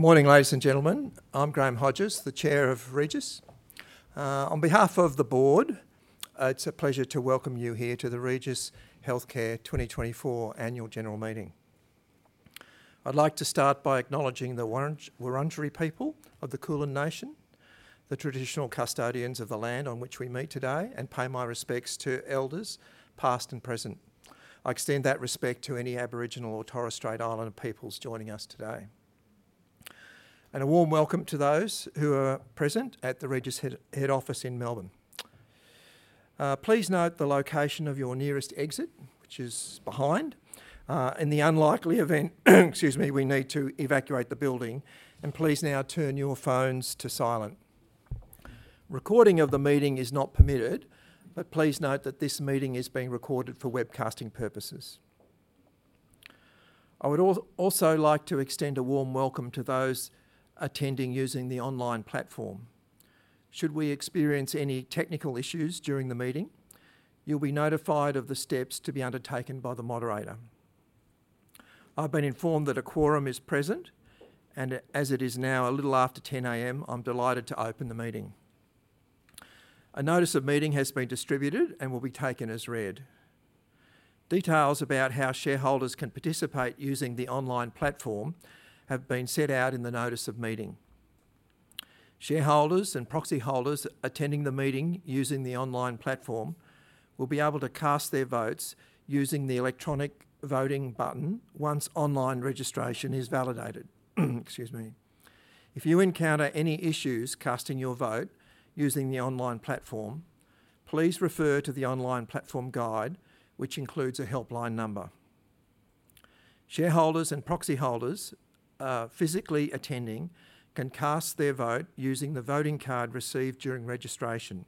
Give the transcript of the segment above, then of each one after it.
Good morning, ladies and gentlemen. I'm Graham Hodges, the Chair of Regis. On behalf of the Board, it's a pleasure to welcome you here to the Regis Healthcare 2024 Annual General Meeting. I'd like to start by acknowledging the Wurundjeri people of the Kulin Nation, the traditional custodians of the land on which we meet today, and pay my respects to elders past and present. I extend that respect to any Aboriginal or Torres Strait Islander peoples joining us today, and a warm welcome to those who are present at the Regis Head Office in Melbourne. Please note the location of your nearest exit, which is behind. In the unlikely event, excuse me, we need to evacuate the building, and please now turn your phones to silent. Recording of the meeting is not permitted, but please note that this meeting is being recorded for webcasting purposes. I would also like to extend a warm welcome to those attending using the online platform. Should we experience any technical issues during the meeting, you'll be notified of the steps to be undertaken by the moderator. I've been informed that a quorum is present, and as it is now a little after 10:00 A.M., I'm delighted to open the meeting. A notice of meeting has been distributed and will be taken as read. Details about how shareholders can participate using the online platform have been set out in the notice of meeting. Shareholders and proxy holders attending the meeting using the online platform will be able to cast their votes using the electronic voting button once online registration is validated. Excuse me. If you encounter any issues casting your vote using the online platform, please refer to the online platform guide, which includes a helpline number. Shareholders and proxy holders physically attending can cast their vote using the voting card received during registration.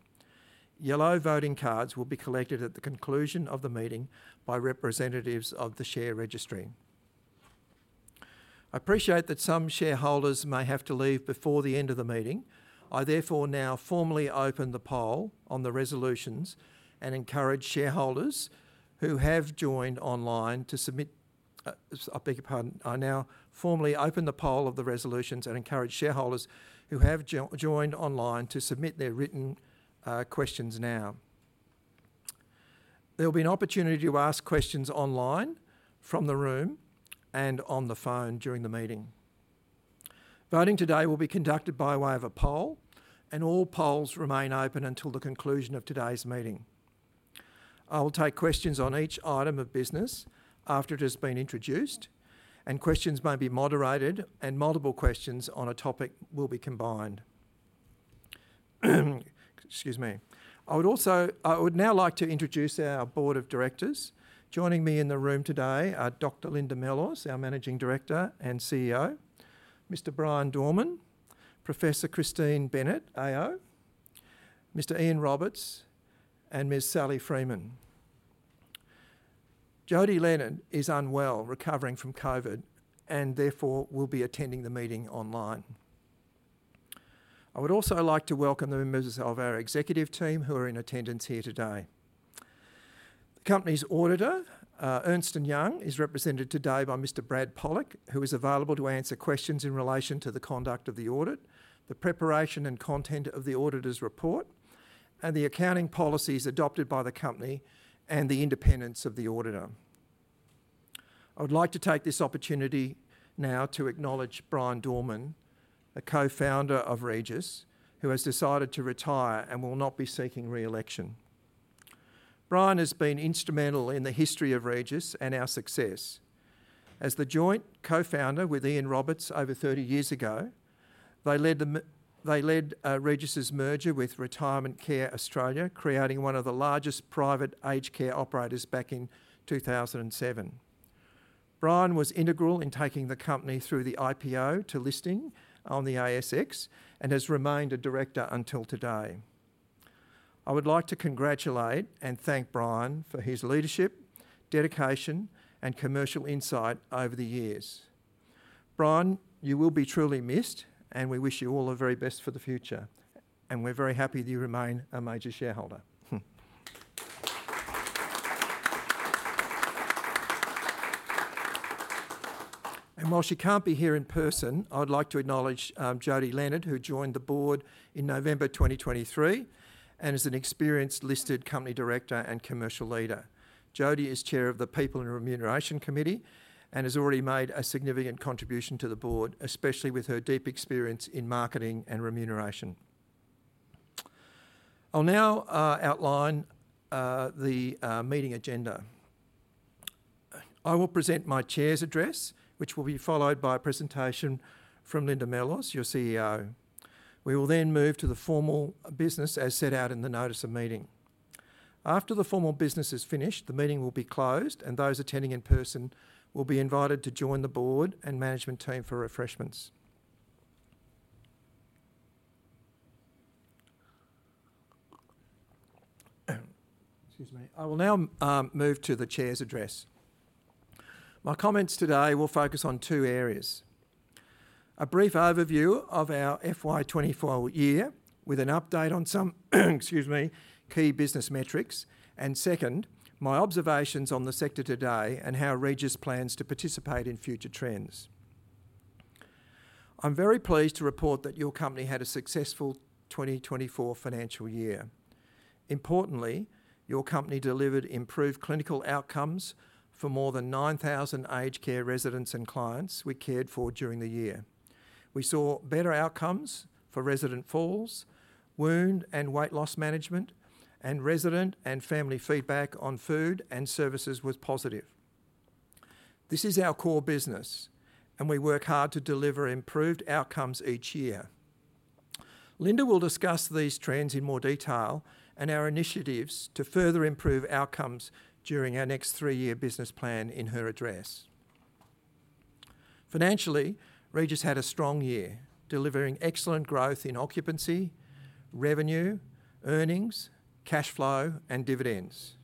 Yellow voting cards will be collected at the conclusion of the meeting by representatives of the share registry. I appreciate that some shareholders may have to leave before the end of the meeting. I therefore now formally open the poll on the resolutions and encourage shareholders who have joined online to submit. I now formally open the poll of the resolutions and encourage shareholders who have joined online to submit their written questions now. There will be an opportunity to ask questions online from the room and on the phone during the meeting. Voting today will be conducted by way of a poll, and all polls remain open until the conclusion of today's meeting. I will take questions on each item of business after it has been introduced, and questions may be moderated, and multiple questions on a topic will be combined. Excuse me. I would now like to introduce our Board of Directors. Joining me in the room today are Dr. Linda Mellors, our Managing Director and CEO, Mr. Bryan Dorman, Professor Christine Bennett AO, Mr. Ian Roberts, and Ms. Sally Freeman. Jodie Leonard is unwell, recovering from COVID, and therefore will be attending the meeting online. I would also like to welcome the members of our executive team who are in attendance here today. The company's auditor, Ernst & Young, is represented today by Mr. Brad Pollock, who is available to answer questions in relation to the conduct of the audit, the preparation and content of the Auditor's Report, and the accounting policies adopted by the company and the independence of the auditor. I would like to take this opportunity now to acknowledge Bryan Dorman, the co-founder of Regis, who has decided to retire and will not be seeking re-election. Bryan has been instrumental in the history of Regis and our success. As the joint co-founder with Ian Roberts over 30 years ago, they led Regis's merger with Retirement Care Australia, creating one of the largest private aged care operators back in 2007. Bryan was integral in taking the company through the IPO to listing on the ASX and has remained a director until today. I would like to congratulate and thank Bryan for his leadership, dedication, and commercial insight over the years. Bryan, you will be truly missed, and we wish you all the very best for the future, and we're very happy that you remain a major shareholder, and while she can't be here in person, I'd like to acknowledge Jodie Leonard, who joined the Board in November 2023 and is an experienced listed company director and commercial leader. Jodie is Chair of the People and Remuneration Committee and has already made a significant contribution to the Board, especially with her deep experience in marketing and remuneration. I'll now outline the meeting agenda. I will present my Chair's address, which will be followed by a presentation from Linda Mellors, your CEO. We will then move to the formal business as set out in the notice of meeting. After the formal business is finished, the meeting will be closed, and those attending in person will be invited to join the Board and management team for refreshments. Excuse me. I will now move to the chair's address. My comments today will focus on two areas: a brief overview of our FY2024 year with an update on some key business metrics, and second, my observations on the sector today and how Regis plans to participate in future trends. I'm very pleased to report that your company had a successful 2024 financial year. Importantly, your company delivered improved clinical outcomes for more than 9,000 aged care residents and clients we cared for during the year. We saw better outcomes for resident falls, wound and weight loss management, and resident and family feedback on food and services was positive. This is our core business, and we work hard to deliver improved outcomes each year. Linda will discuss these trends in more detail and our initiatives to further improve outcomes during our next three-year business plan in her address. Financially, Regis had a strong year, delivering excellent growth in occupancy, revenue, earnings, cash flow, and dividends.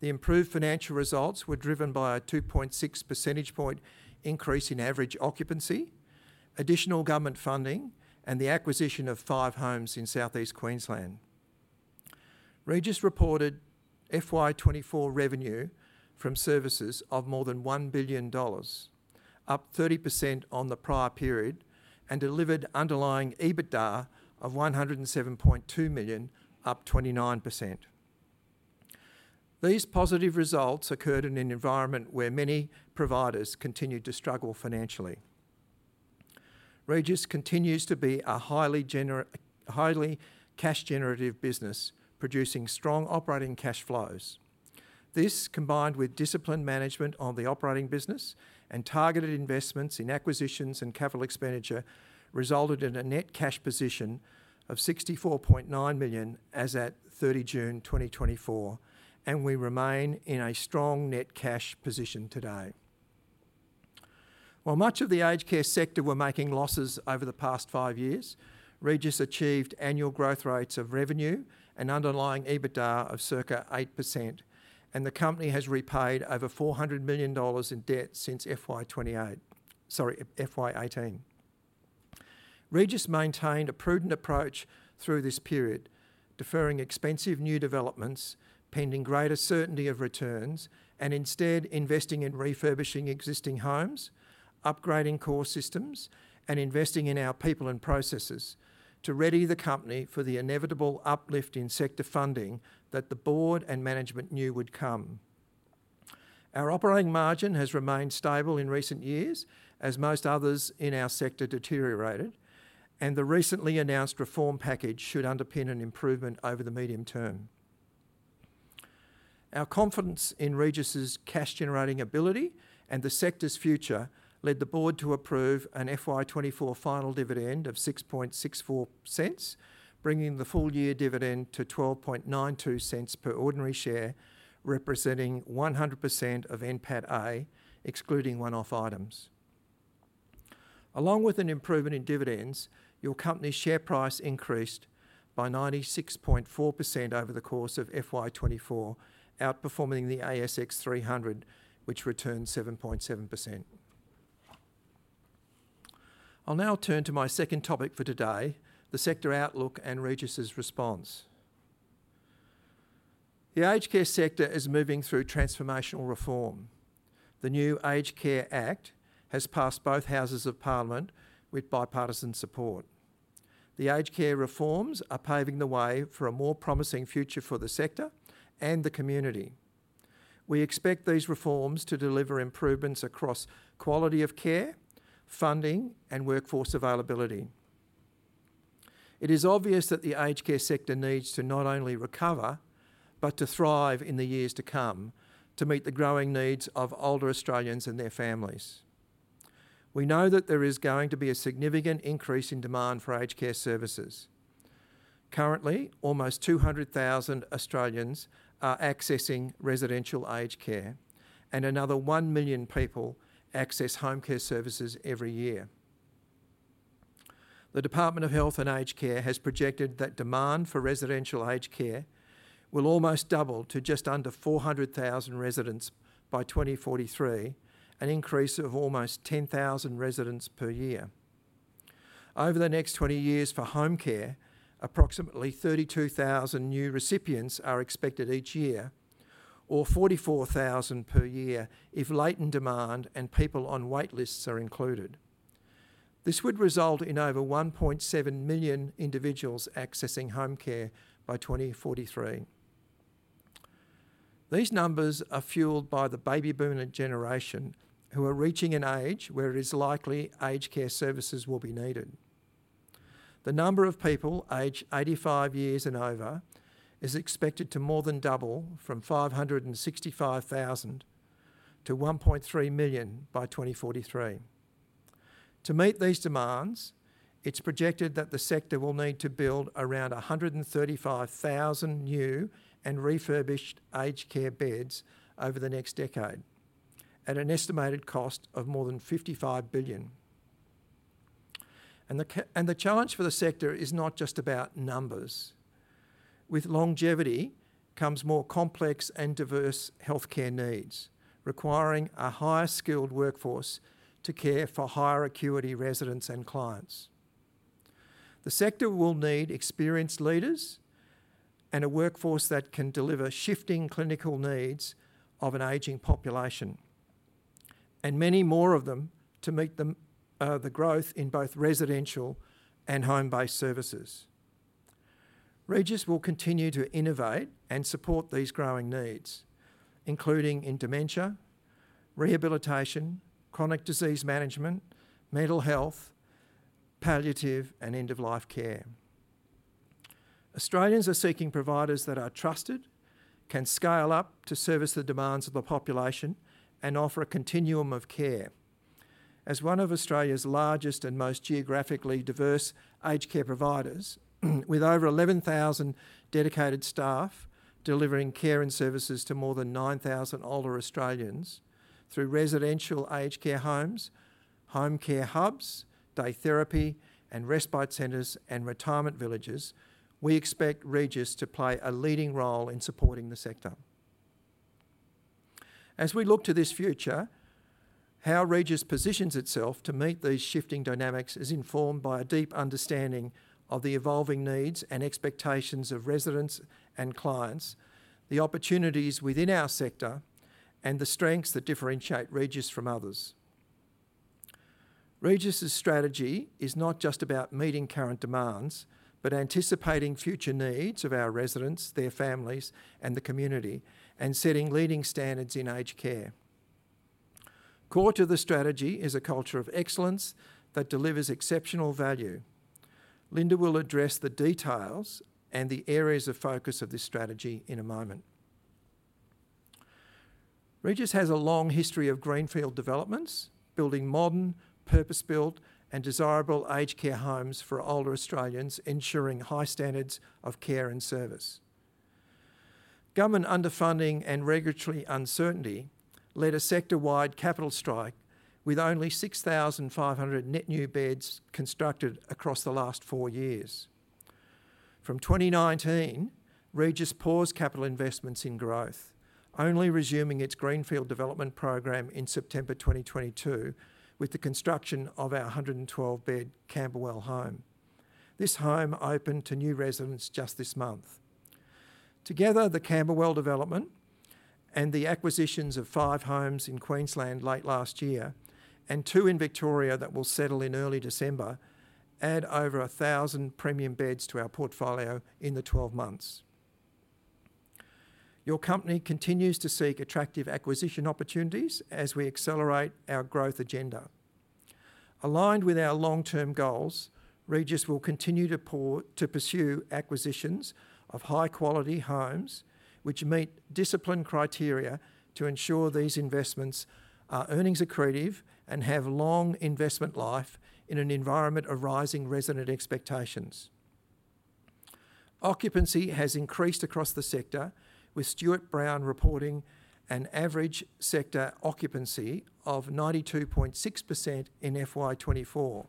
The improved financial results were driven by a 2.6 percentage point increase in average occupancy, additional government funding, and the acquisition of five homes in Southeast Queensland. Regis reported FY2024 revenue from services of more than 1 billion dollars, up 30% on the prior period, and delivered underlying EBITDA of 107.2 million, up 29%. These positive results occurred in an environment where many providers continued to struggle financially. Regis continues to be a highly cash-generative business, producing strong operating cash flows. This, combined with disciplined management of the operating business and targeted investments in acquisitions and capital expenditure, resulted in a net cash position of 64.9 million as at 30 June 2024, and we remain in a strong net cash position today. While much of the aged care sector were making losses over the past five years, Regis achieved annual growth rates of revenue and underlying EBITDA of circa 8%, and the company has repaid over 400 million dollars in debt since FY2018. Regis maintained a prudent approach through this period, deferring expensive new developments, pending greater certainty of returns, and instead investing in refurbishing existing homes, upgrading core systems, and investing in our people and processes to ready the company for the inevitable uplift in sector funding that the Board and management knew would come. Our operating margin has remained stable in recent years as most others in our sector deteriorated, and the recently announced reform package should underpin an improvement over the medium term. Our confidence in Regis's cash-generating ability and the sector's future led the Board to approve an FY2024 final dividend of 0.0664, bringing the full-year dividend to 0.1292 per ordinary share, representing 100% of NPATA, excluding one-off items. Along with an improvement in dividends, your company's share price increased by 96.4% over the course of FY2024, outperforming the ASX 300, which returned 7.7%. I'll now turn to my second topic for today, the sector outlook and Regis's response. The aged care sector is moving through transformational reform. The new Aged Care Act has passed both houses of Parliament with bipartisan support. The aged care reforms are paving the way for a more promising future for the sector and the community. We expect these reforms to deliver improvements across quality of care, funding, and workforce availability. It is obvious that the aged care sector needs to not only recover but to thrive in the years to come to meet the growing needs of older Australians and their families. We know that there is going to be a significant increase in demand for aged care services. Currently, almost 200,000 Australians are accessing residential aged care, and another 1 million people access home care services every year. The Department of Health and Aged Care has projected that demand for residential aged care will almost double to just under 400,000 residents by 2043, an increase of almost 10,000 residents per year. Over the next 20 years for home care, approximately 32,000 new recipients are expected each year, or 44,000 per year if latent demand and people on waitlists are included. This would result in over 1.7 million individuals accessing home care by 2043. These numbers are fueled by the baby boomer generation, who are reaching an age where it is likely aged care services will be needed. The number of people aged 85 years and over is expected to more than double from 565,000 to 1.3 million by 2043. To meet these demands, it's projected that the sector will need to build around 135,000 new and refurbished aged care beds over the next decade at an estimated cost of more than 55 billion, and the challenge for the sector is not just about numbers. With longevity comes more complex and diverse healthcare needs, requiring a higher skilled workforce to care for higher acuity residents and clients. The sector will need experienced leaders and a workforce that can deliver shifting clinical needs of an aging population, and many more of them to meet the growth in both residential and home-based services. Regis will continue to innovate and support these growing needs, including in dementia, rehabilitation, chronic disease management, mental health, palliative, and end-of-life care. Australians are seeking providers that are trusted, can scale up to service the demands of the population, and offer a continuum of care. As one of Australia's largest and most geographically diverse aged care providers, with over 11,000 dedicated staff delivering care and services to more than 9,000 older Australians through residential aged care homes, home care hubs, day therapy, and respite centers and retirement villages, we expect Regis to play a leading role in supporting the sector. As we look to this future, how Regis positions itself to meet these shifting dynamics is informed by a deep understanding of the evolving needs and expectations of residents and clients, the opportunities within our sector, and the strengths that differentiate Regis from others. Regis's strategy is not just about meeting current demands, but anticipating future needs of our residents, their families, and the community, and setting leading standards in aged care. Core to the strategy is a culture of excellence that delivers exceptional value. Linda will address the details and the areas of focus of this strategy in a moment. Regis has a long history of greenfield developments, building modern, purpose-built, and desirable aged care homes for older Australians, ensuring high standards of care and service. Government underfunding and regulatory uncertainty led a sector-wide capital strike with only 6,500 net new beds constructed across the last four years. From 2019, Regis paused capital investments in growth, only resuming its greenfield development program in September 2022 with the construction of our 112-bed Camberwell home. This home opened to new residents just this month. Together, the Camberwell development and the acquisitions of five homes in Queensland late last year and two in Victoria that will settle in early December add over 1,000 premium beds to our portfolio in the 12 months. Your company continues to seek attractive acquisition opportunities as we accelerate our growth agenda. Aligned with our long-term goals, Regis will continue to pursue acquisitions of high-quality homes, which meet disciplined criteria to ensure these investments are earnings-accretive and have long investment life in an environment of rising resident expectations. Occupancy has increased across the sector, with StewartBrown reporting an average sector occupancy of 92.6% in FY2024.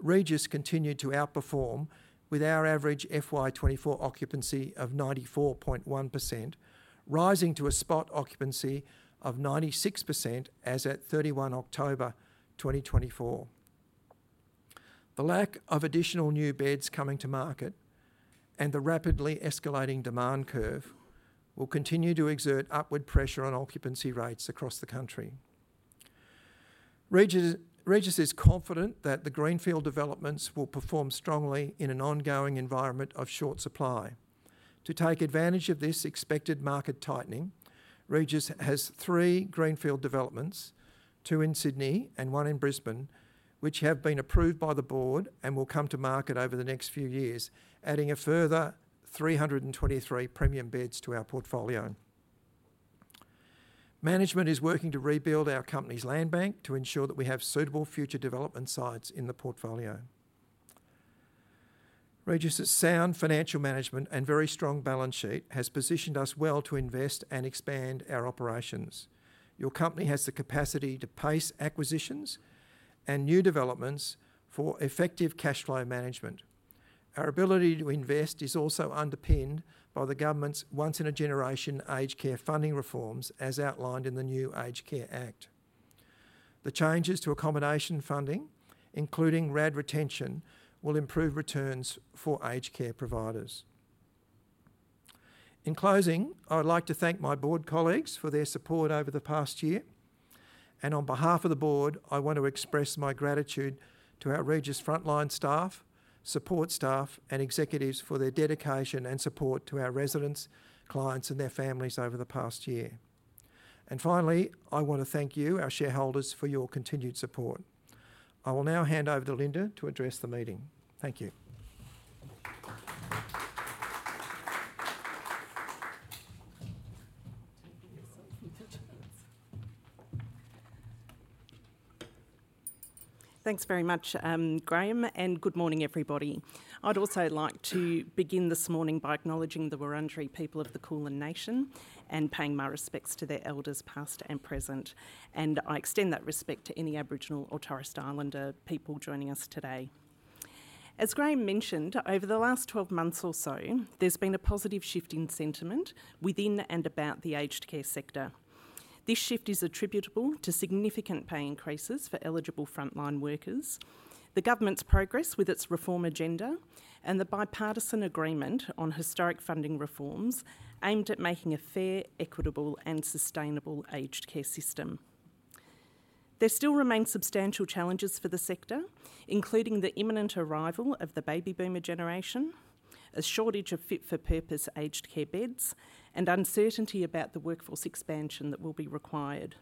Regis continued to outperform with our average FY2024 occupancy of 94.1%, rising to a spot occupancy of 96% as at 31 October 2024. The lack of additional new beds coming to market and the rapidly escalating demand curve will continue to exert upward pressure on occupancy rates across the country. Regis is confident that the greenfield developments will perform strongly in an ongoing environment of short supply. To take advantage of this expected market tightening, Regis has three greenfield developments, two in Sydney and one in Brisbane, which have been approved by the Board and will come to market over the next few years, adding a further 323 premium beds to our portfolio. Management is working to rebuild our company's land bank to ensure that we have suitable future development sites in the portfolio. Regis's sound financial management and very strong balance sheet has positioned us well to invest and expand our operations. Your company has the capacity to pace acquisitions and new developments for effective cash flow management. Our ability to invest is also underpinned by the government's once-in-a-generation aged care funding reforms, as outlined in the new Aged Care Act. The changes to accommodation funding, including RAD retention, will improve returns for aged care providers. In closing, I would like to thank my Board colleagues for their support over the past year. And on behalf of the Board, I want to express my gratitude to our Regis frontline staff, support staff, and executives for their dedication and support to our residents, clients, and their families over the past year. And finally, I want to thank you, our shareholders, for your continued support. I will now hand over to Linda to address the meeting. Thank you. Thanks very much, Graham, and good morning, everybody. I'd also like to begin this morning by acknowledging the Wurundjeri people of the Kulin Nation and paying my respects to their elders past and present, and I extend that respect to any Aboriginal or Torres Strait Islander people joining us today. As Graham mentioned, over the last 12 months or so, there's been a positive shift in sentiment within and about the aged care sector. This shift is attributable to significant pay increases for eligible frontline workers, the government's progress with its reform agenda, and the bipartisan agreement on historic funding reforms aimed at making a fair, equitable, and sustainable aged care system. There still remain substantial challenges for the sector, including the imminent arrival of the baby boomer generation, a shortage of fit-for-purpose aged care beds, and uncertainty about the workforce expansion that will be required.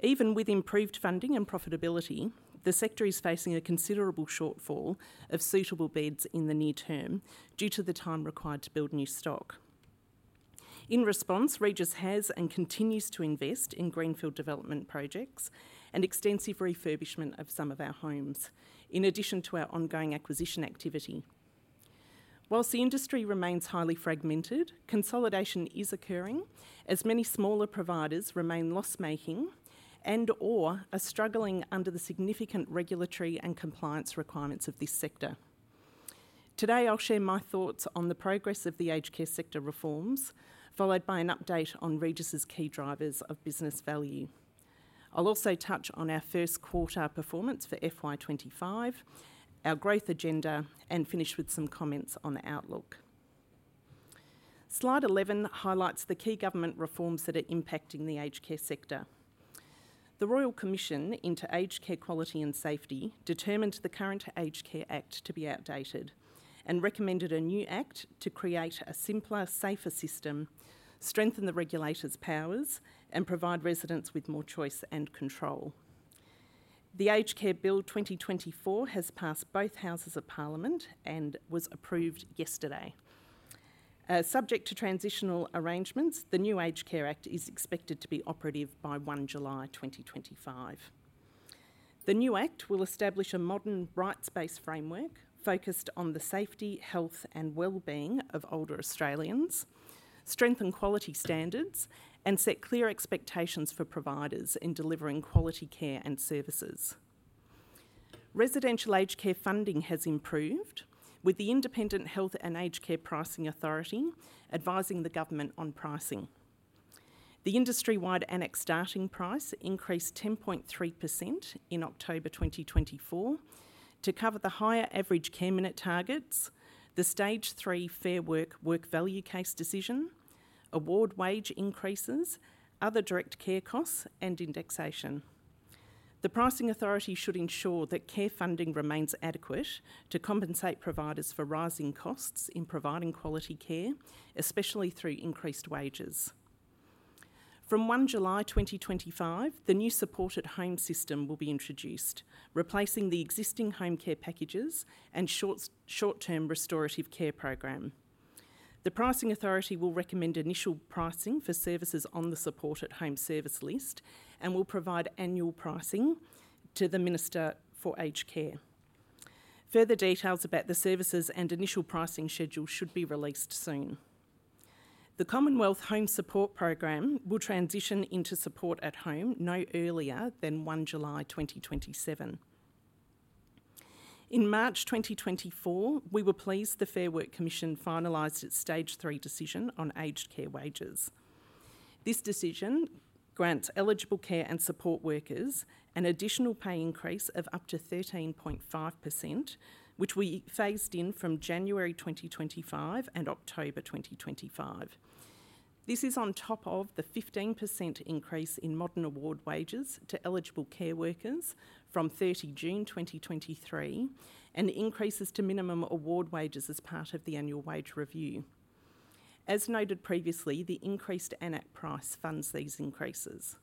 Even with improved funding and profitability, the sector is facing a considerable shortfall of suitable beds in the near term due to the time required to build new stock. In response, Regis has and continues to invest in greenfield development projects and extensive refurbishment of some of our homes, in addition to our ongoing acquisition activity. While the industry remains highly fragmented, consolidation is occurring as many smaller providers remain loss-making and/or are struggling under the significant regulatory and compliance requirements of this sector. Today, I'll share my thoughts on the progress of the aged care sector reforms, followed by an update on Regis's key drivers of business value. I'll also touch on our Q1 performance for FY2025, our growth agenda, and finish with some comments on the outlook. Slide 11 highlights the key government reforms that are impacting the aged care sector. The Royal Commission into Aged Care Quality and Safety determined the current Aged Care Act to be outdated and recommended a new act to create a simpler, safer system, strengthen the regulator's powers, and provide residents with more choice and control. The Aged Care Bill 2024 has passed both houses of Parliament and was approved yesterday. Subject to transitional arrangements, the new Aged Care Act is expected to be operative by 1 July 2025. The new act will establish a modern rights-based framework focused on the safety, health, and well-being of older Australians, strengthen quality standards, and set clear expectations for providers in delivering quality care and services. Residential aged care funding has improved, with the Independent Health and Aged Care Pricing Authority advising the government on pricing. The industry-wide AN-ACC starting price increased 10.3% in October 2024 to cover the higher average care minute targets, the Stage 3 Fair Work Work Value Case decision, award wage increases, other direct care costs, and indexation. The Pricing Authority should ensure that care funding remains adequate to compensate providers for rising costs in providing quality care, especially through increased wages. From 1 July 2025, the new Support at Home system will be introduced, replacing the existing Home Care Packages and Short-Term Restorative Care program. The Pricing Authority will recommend initial pricing for services on the Support at Home service list and will provide annual pricing to the Minister for Aged Care. Further details about the services and initial pricing schedule should be released soon. The Commonwealth Home Support Program will transition into Support at Home no earlier than 1 July 2027. In March 2024, we were pleased the Fair Work Commission finalized its Stage 3 decision on aged care wages. This decision grants eligible care and support workers an additional pay increase of up to 13.5%, which we phased in from January 2025 and October 2025. This is on top of the 15% increase in modern award wages to eligible care workers from 30 June 2023 and increases to minimum award wages as part of the Annual Wage Review. As noted previously, the increased AN-ACC price funds these increases.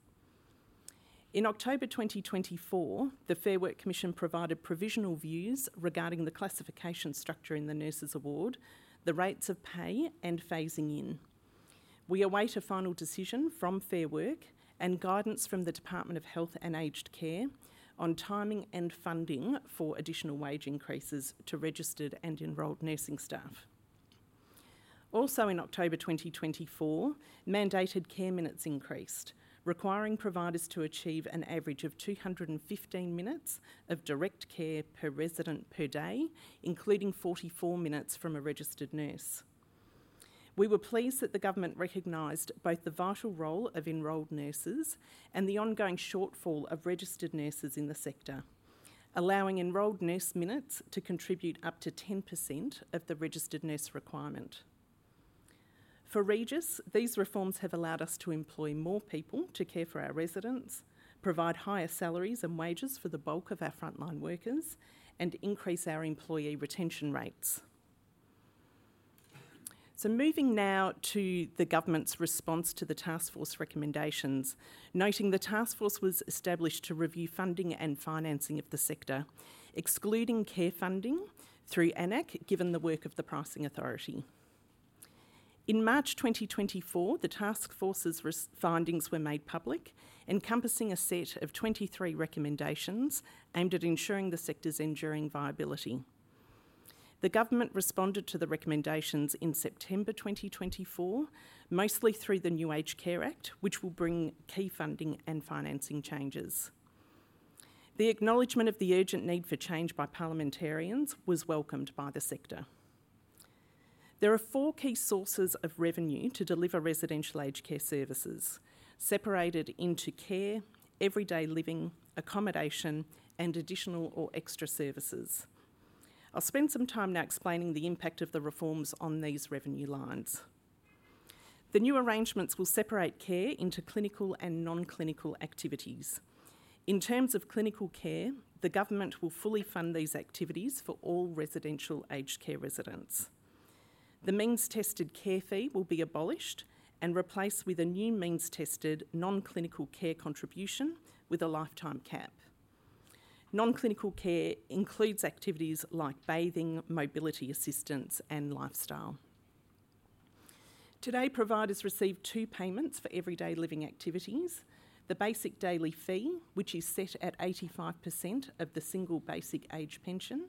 In October 2024, the Fair Work Commission provided provisional views regarding the classification structure in the Nurses Award, the rates of pay, and phasing in. We await a final decision from Fair Work and guidance from the Department of Health and Aged Care on timing and funding for additional wage increases to registered and enrolled nursing staff. Also, in October 2024, mandated care minutes increased, requiring providers to achieve an average of 215 minutes of direct care per resident per day, including 44 minutes from a registered nurse. We were pleased that the government recognized both the vital role of enrolled nurses and the ongoing shortfall of registered nurses in the sector, allowing enrolled nurse minutes to contribute up to 10% of the registered nurse requirement. For Regis, these reforms have allowed us to employ more people to care for our residents, provide higher salaries and wages for the bulk of our frontline workers, and increase our employee retention rates, so moving now to the government's response to the Taskforce recommendations, noting the Taskforce was established to review funding and financing of the sector, excluding care funding through AN-ACC given the work of the Pricing Authority. In March 2024, the Taskforce's findings were made public, encompassing a set of 23 recommendations aimed at ensuring the sector's enduring viability. The government responded to the recommendations in September 2024, mostly through the new Aged Care Act, which will bring key funding and financing changes. The acknowledgment of the urgent need for change by parliamentarians was welcomed by the sector. There are four key sources of revenue to deliver residential aged care services, separated into care, everyday living, accommodation, and additional or extra services. I'll spend some time now explaining the impact of the reforms on these revenue lines. The new arrangements will separate care into clinical and non-clinical activities. In terms of clinical care, the government will fully fund these activities for all residential aged care residents. The means-tested care fee will be abolished and replaced with a new means-tested non-clinical care contribution with a lifetime cap. Non-clinical care includes activities like bathing, mobility assistance, and lifestyle. Today, providers receive two payments for everyday living activities: the basic daily fee, which is set at 85% of the single basic age pension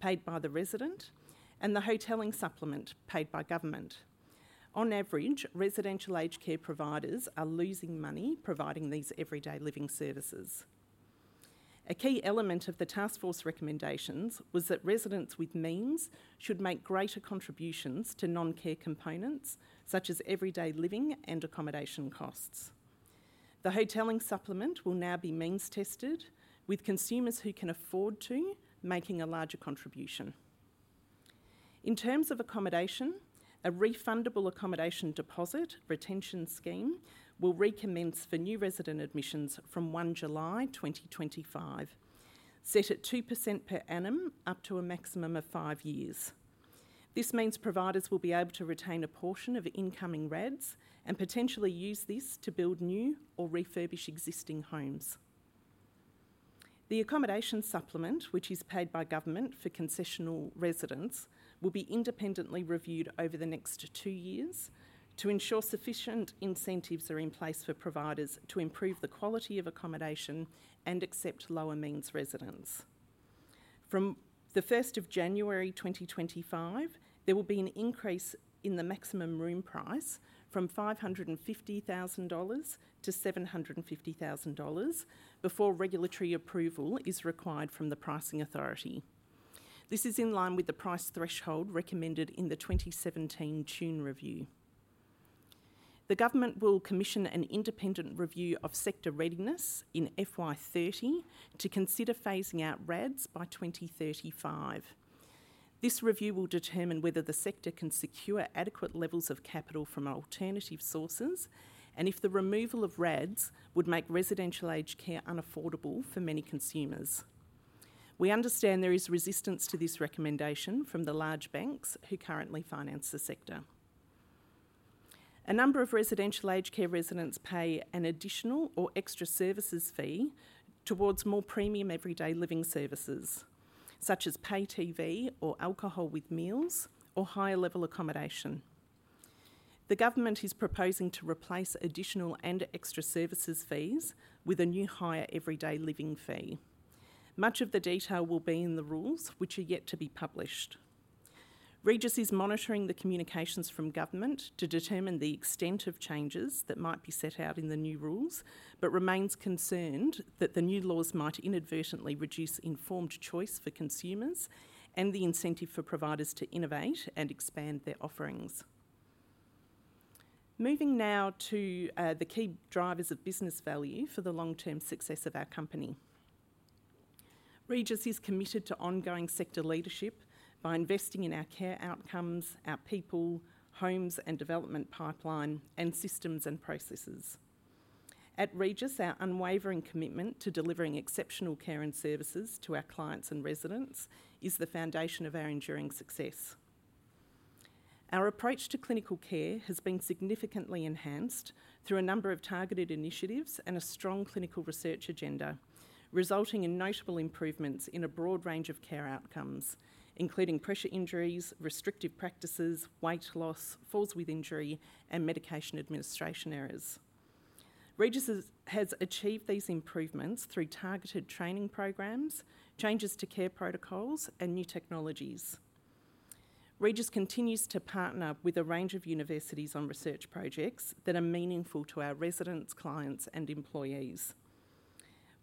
paid by the resident, and the Hotelling Supplement paid by government. On average, residential aged care providers are losing money providing these everyday living services. A key element of the Taskforce recommendations was that residents with means should make greater contributions to non-care components such as everyday living and accommodation costs. The Hotelling Supplement will now be means-tested, with consumers who can afford to making a larger contribution. In terms of accommodation, a Refundable Accommodation Deposit retention scheme will recommence for new resident admissions from 1 July 2025, set at 2% per annum up to a maximum of five years. This means providers will be able to retain a portion of incoming RADs and potentially use this to build new or refurbish existing homes. The accommodation supplement, which is paid by government for concessional residents, will be independently reviewed over the next two years to ensure sufficient incentives are in place for providers to improve the quality of accommodation and accept lower means residents. From 1 January 2025, there will be an increase in the maximum room price from 550,000 dollars to 750,000 dollars before regulatory approval is required from the Pricing Authority. This is in line with the price threshold recommended in the 2017 Tune Review. The government will commission an independent review of sector readiness in FY2030 to consider phasing out RADs by 2035. This review will determine whether the sector can secure adequate levels of capital from alternative sources and if the removal of RADs would make residential aged care unaffordable for many consumers. We understand there is resistance to this recommendation from the large banks who currently finance the sector. A number of residential aged care residents pay an additional or extra services fee towards more premium everyday living services, such as pay TV or alcohol with meals or higher level accommodation. The government is proposing to replace additional and extra services fees with a new higher everyday living fee. Much of the detail will be in the rules, which are yet to be published. Regis is monitoring the communications from government to determine the extent of changes that might be set out in the new rules, but remains concerned that the new laws might inadvertently reduce informed choice for consumers and the incentive for providers to innovate and expand their offerings. Moving now to the key drivers of business value for the long-term success of our company. Regis is committed to ongoing sector leadership by investing in our care outcomes, our people, homes, and development pipeline and systems and processes. At Regis, our unwavering commitment to delivering exceptional care and services to our clients and residents is the foundation of our enduring success. Our approach to clinical care has been significantly enhanced through a number of targeted initiatives and a strong clinical research agenda, resulting in notable improvements in a broad range of care outcomes, including pressure injuries, restrictive practices, weight loss, falls with injury, and medication administration errors. Regis has achieved these improvements through targeted training programs, changes to care protocols, and new technologies. Regis continues to partner with a range of universities on research projects that are meaningful to our residents, clients, and employees.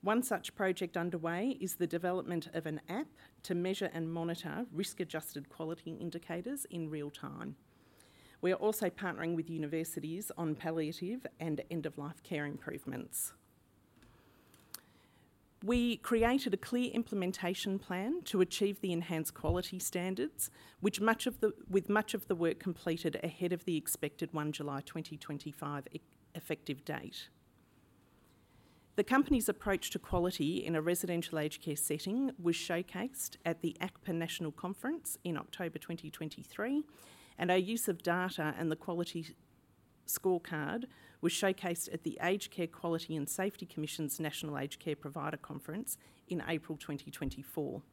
One such project underway is the development of an app to measure and monitor risk-adjusted quality indicators in real time. We are also partnering with universities on palliative and end-of-life care improvements. We created a clear implementation plan to achieve the enhanced quality standards, with much of the work completed ahead of the expected 1 July 2025 effective date. The company's approach to quality in a residential aged care setting was showcased at the ACCPA National Conference in October 2023, and our use of data and the quality scorecard was showcased at the Aged Care Quality and Safety Commission's National Aged Care Provider Conference in April 2024.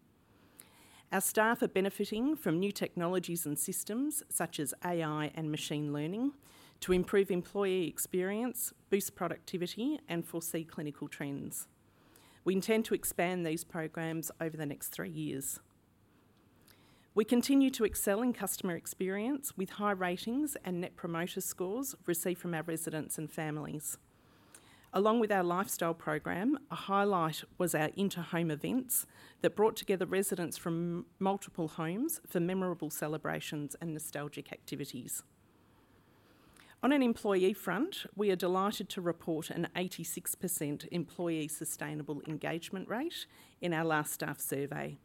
Our staff are benefiting from new technologies and systems such as AI and machine learning to improve employee experience, boost productivity, and foresee clinical trends. We intend to expand these programs over the next three years. We continue to excel in customer experience with high ratings and Net Promoter Scores received from our residents and families. Along with our lifestyle program, a highlight was our inter-home events that brought together residents from multiple homes for memorable celebrations and nostalgic activities. On an employee front, we are delighted to report an 86% employee sustainable engagement rate in our last staff survey,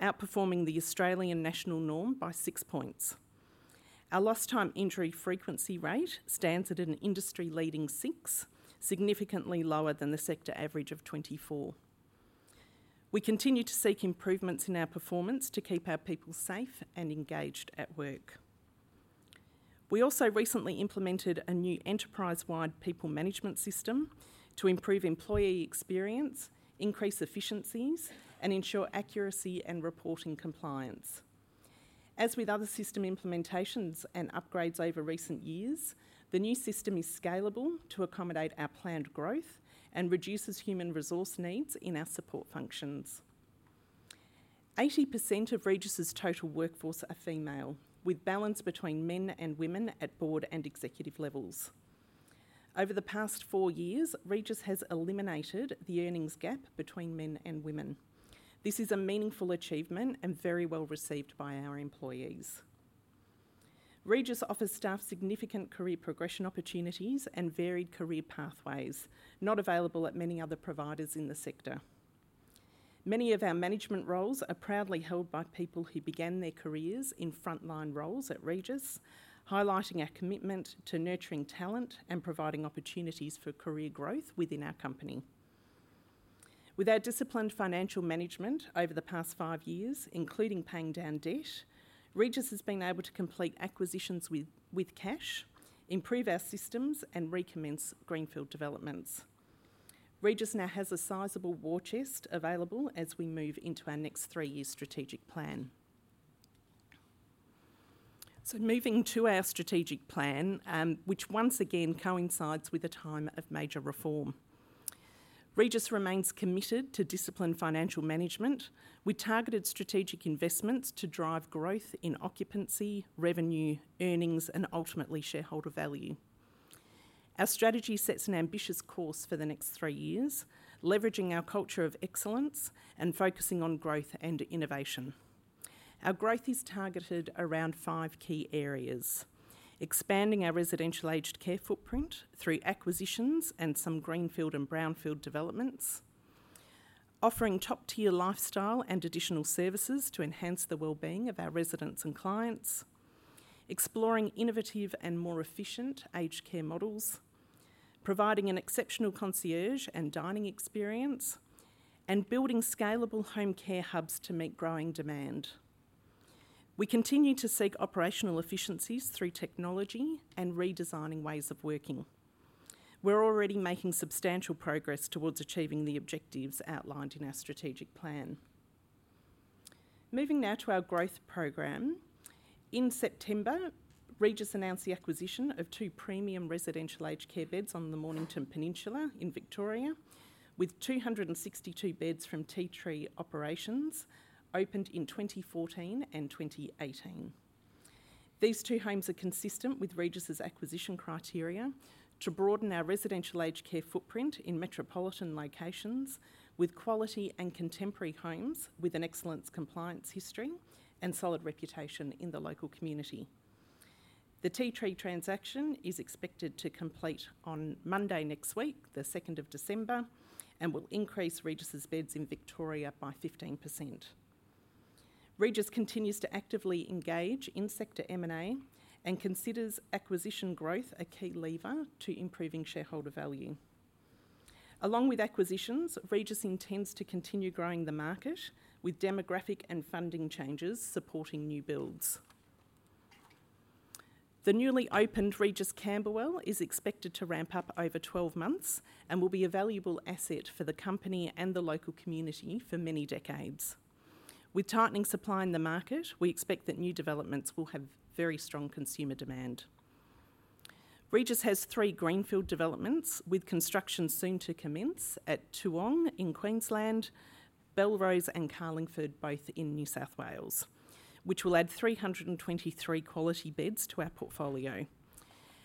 outperforming the Australian national norm by six points. Our Lost Time Injury Frequency Rate stands at an industry-leading six, significantly lower than the sector average of 24. We continue to seek improvements in our performance to keep our people safe and engaged at work. We also recently implemented a new enterprise-wide people management system to improve employee experience, increase efficiencies, and ensure accuracy and reporting compliance. As with other system implementations and upgrades over recent years, the new system is scalable to accommodate our planned growth and reduces human resource needs in our support functions. 80% of Regis's total workforce are female, with balance between men and women at Board and executive levels. Over the past four years, Regis has eliminated the earnings gap between men and women. This is a meaningful achievement and very well received by our employees. Regis offers staff significant career progression opportunities and varied career pathways not available at many other providers in the sector. Many of our management roles are proudly held by people who began their careers in frontline roles at Regis, highlighting our commitment to nurturing talent and providing opportunities for career growth within our company. With our disciplined financial management over the past five years, including paying down debt, Regis has been able to complete acquisitions with cash, improve our systems, and recommence greenfield developments. Regis now has a sizable war chest available as we move into our next three-year strategic plan. Moving to our strategic plan, which once again coincides with a time of major reform, Regis remains committed to disciplined financial management with targeted strategic investments to drive growth in occupancy, revenue, earnings, and ultimately shareholder value. Our strategy sets an ambitious course for the next three years, leveraging our culture of excellence and focusing on growth and innovation. Our growth is targeted around five key areas: expanding our residential aged care footprint through acquisitions and some greenfield and brownfield developments, offering top-tier lifestyle and additional services to enhance the well-being of our residents and clients, exploring innovative and more efficient aged care models, providing an exceptional concierge and dining experience, and building scalable home care hubs to meet growing demand. We continue to seek operational efficiencies through technology and redesigning ways of working. We're already making substantial progress towards achieving the objectives outlined in our strategic plan. Moving now to our growth program, in September, Regis announced the acquisition of two premium residential aged care homes on the Mornington Peninsula in Victoria, with 262 beds from Ti Tree Operations opened in 2014 and 2018. These two homes are consistent with Regis's acquisition criteria to broaden our residential aged care footprint in metropolitan locations with quality and contemporary homes with an excellent compliance history and solid reputation in the local community. The Ti Tree transaction is expected to complete on Monday next week, the 2nd of December, and will increase Regis's beds in Victoria by 15%. Regis continues to actively engage in sector M&A and considers acquisition growth a key lever to improving shareholder value. Along with acquisitions, Regis intends to continue growing the market with demographic and funding changes supporting new builds. The newly opened Regis Camberwell is expected to ramp up over 12 months and will be a valuable asset for the company and the local community for many decades. With tightening supply in the market, we expect that new developments will have very strong consumer demand. Regis has three greenfield developments with construction soon to commence at Toowong in Queensland, Belrose, and Carlingford, both in New South Wales, which will add 323 quality beds to our portfolio,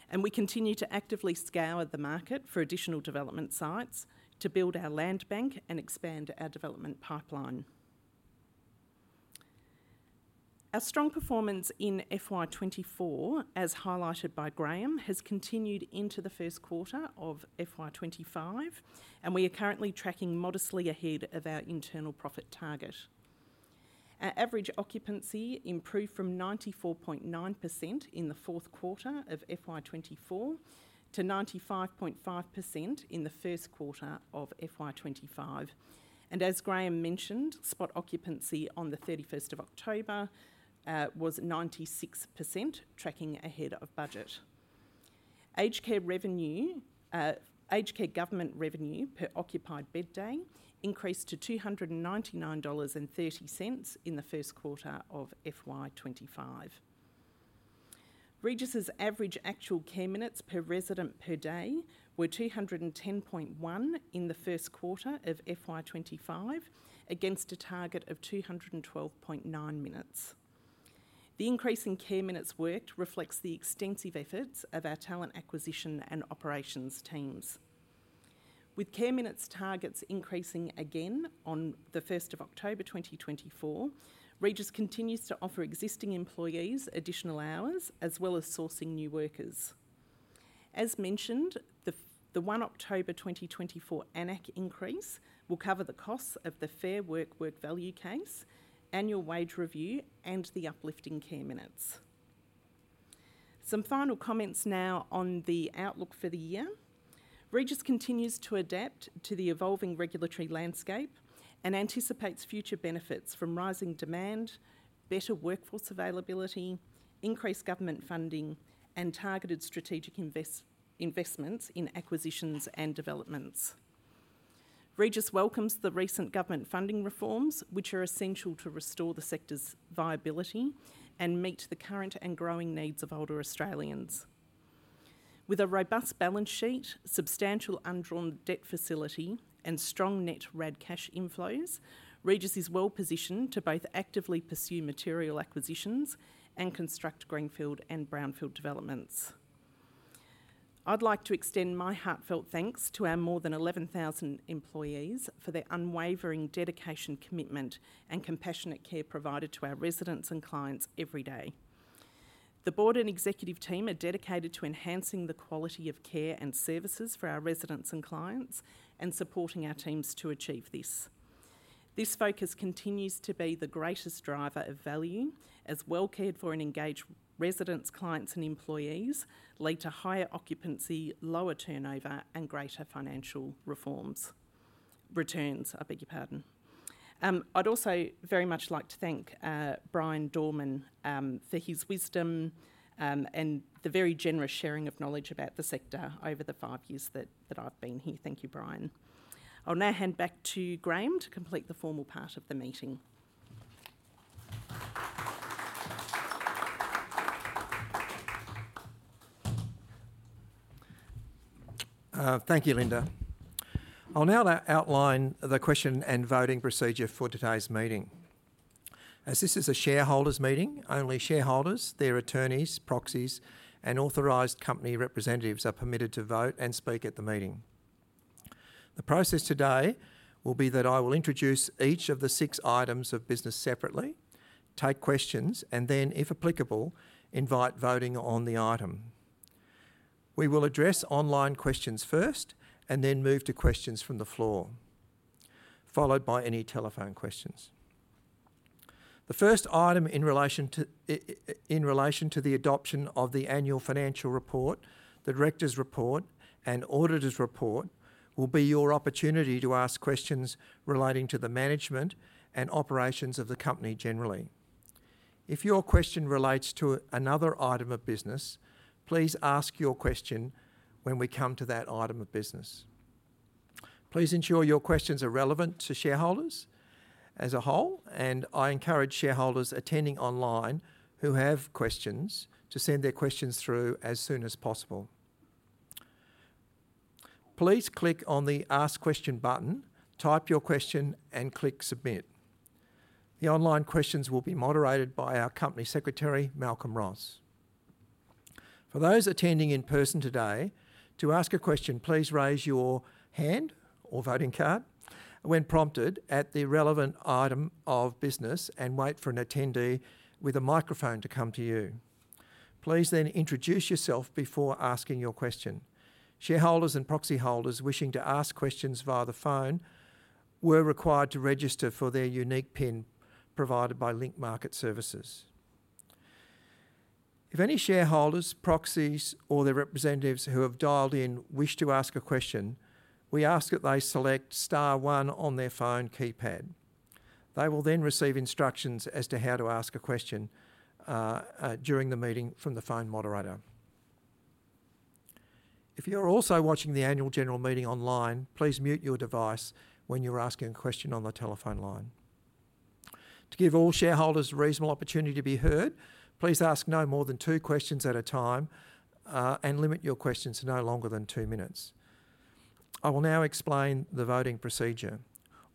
and we continue to actively scour the market for additional development sites to build our land bank and expand our development pipeline. Our strong performance in FY2024, as highlighted by Graham, has continued into the Q1 of FY2025, and we are currently tracking modestly ahead of our internal profit target. Our average occupancy improved from 94.9% in the Q4 of FY2024 to 95.5% in the Q1 of FY2025. As Graham mentioned, spot occupancy on the 31st of October was 96%, tracking ahead of budget. Aged care government revenue per occupied bed day increased to $299.30 in the Q1 of FY2025. Regis's average actual care minutes per resident per day were 210.1 in the Q1 of FY2025 against a target of 212.9 minutes. The increase in care minutes worked reflects the extensive efforts of our talent acquisition and operations teams. With care minutes targets increasing again on the 1st of October 2024, Regis continues to offer existing employees additional hours as well as sourcing new workers. As mentioned, the 1 October 2024 AN-ACC increase will cover the costs of the Fair Work Work Value Case, Annual Wage Review, and the uplifting care minutes. Some final comments now on the outlook for the year. Regis continues to adapt to the evolving regulatory landscape and anticipates future benefits from rising demand, better workforce availability, increased government funding, and targeted strategic investments in acquisitions and developments. Regis welcomes the recent government funding reforms, which are essential to restore the sector's viability and meet the current and growing needs of older Australians. With a robust balance sheet, substantial undrawn debt facility, and strong net RAD cash inflows, Regis is well positioned to both actively pursue material acquisitions and construct greenfield and brownfield developments. I'd like to extend my heartfelt thanks to our more than 11,000 employees for their unwavering dedication, commitment, and compassionate care provided to our residents and clients every day. The Board and executive team are dedicated to enhancing the quality of care and services for our residents and clients and supporting our teams to achieve this. This focus continues to be the greatest driver of value, as well cared for and engaged residents, clients, and employees lead to higher occupancy, lower turnover, and greater financial returns. I'd also very much like to thank Bryan Dorman for his wisdom and the very generous sharing of knowledge about the sector over the five years that I've been here. Thank you, Bryan. I'll now hand back to Graham to complete the formal part of the meeting. Thank you, Linda. I'll now outline the question and voting procedure for today's meeting. As this is a shareholders' meeting, only shareholders, their attorneys, proxies, and authorized company representatives are permitted to vote and speak at the meeting. The process today will be that I will introduce each of the six items of business separately, take questions, and then, if applicable, invite voting on the item. We will address online questions first and then move to questions from the floor, followed by any telephone questions. The first item in relation to the adoption of the Annual Financial Report, the Directors' Report, and auditor's report will be your opportunity to ask questions relating to the management and operations of the company generally. If your question relates to another item of business, please ask your question when we come to that item of business. Please ensure your questions are relevant to shareholders as a whole, and I encourage shareholders attending online who have questions to send their questions through as soon as possible. Please click on the Ask Question button, type your question, and click Submit. The online questions will be moderated by our Company Secretary, Malcolm Ross. For those attending in person today, to ask a question, please raise your hand or voting card when prompted at the relevant item of business and wait for an attendee with a microphone to come to you. Please then introduce yourself before asking your question. Shareholders and proxy holders wishing to ask questions via the phone were required to register for their unique PIN provided by Link Market Services. If any shareholders, proxies, or their representatives who have dialed in wish to ask a question, we ask that they select Star One on their phone keypad. They will then receive instructions as to how to ask a question during the meeting from the phone moderator. If you're also watching the annual general meeting online, please mute your device when you're asking a question on the telephone line. To give all shareholders a reasonable opportunity to be heard, please ask no more than two questions at a time and limit your questions to no longer than two minutes. I will now explain the voting procedure.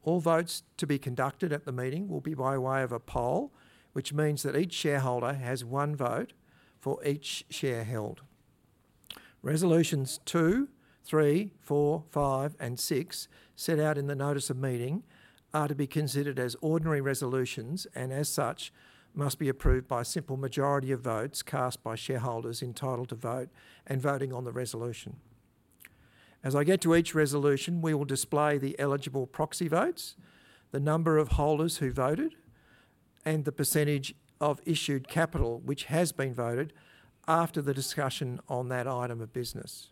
All votes to be conducted at the meeting will be by way of a poll, which means that each shareholder has one vote for each share held. Resolutions two, three, four, five, and six set out in the notice of meeting are to be considered as ordinary resolutions and, as such, must be approved by a simple majority of votes cast by shareholders entitled to vote and voting on the resolution. As I get to each resolution, we will display the eligible proxy votes, the number of holders who voted, and the percentage of issued capital which has been voted after the discussion on that item of business.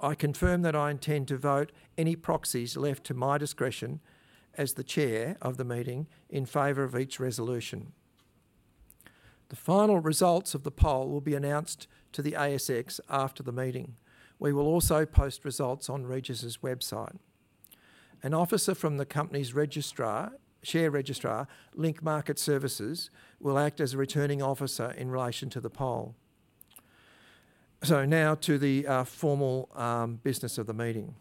I confirm that I intend to vote any proxies left to my discretion as the chair of the meeting in favor of each resolution. The final results of the poll will be announced to the ASX after the meeting. We will also post results on Regis's website. An officer from the company's share registrar, Link Market Services, will act as a returning officer in relation to the poll. So now to the formal business of the meeting.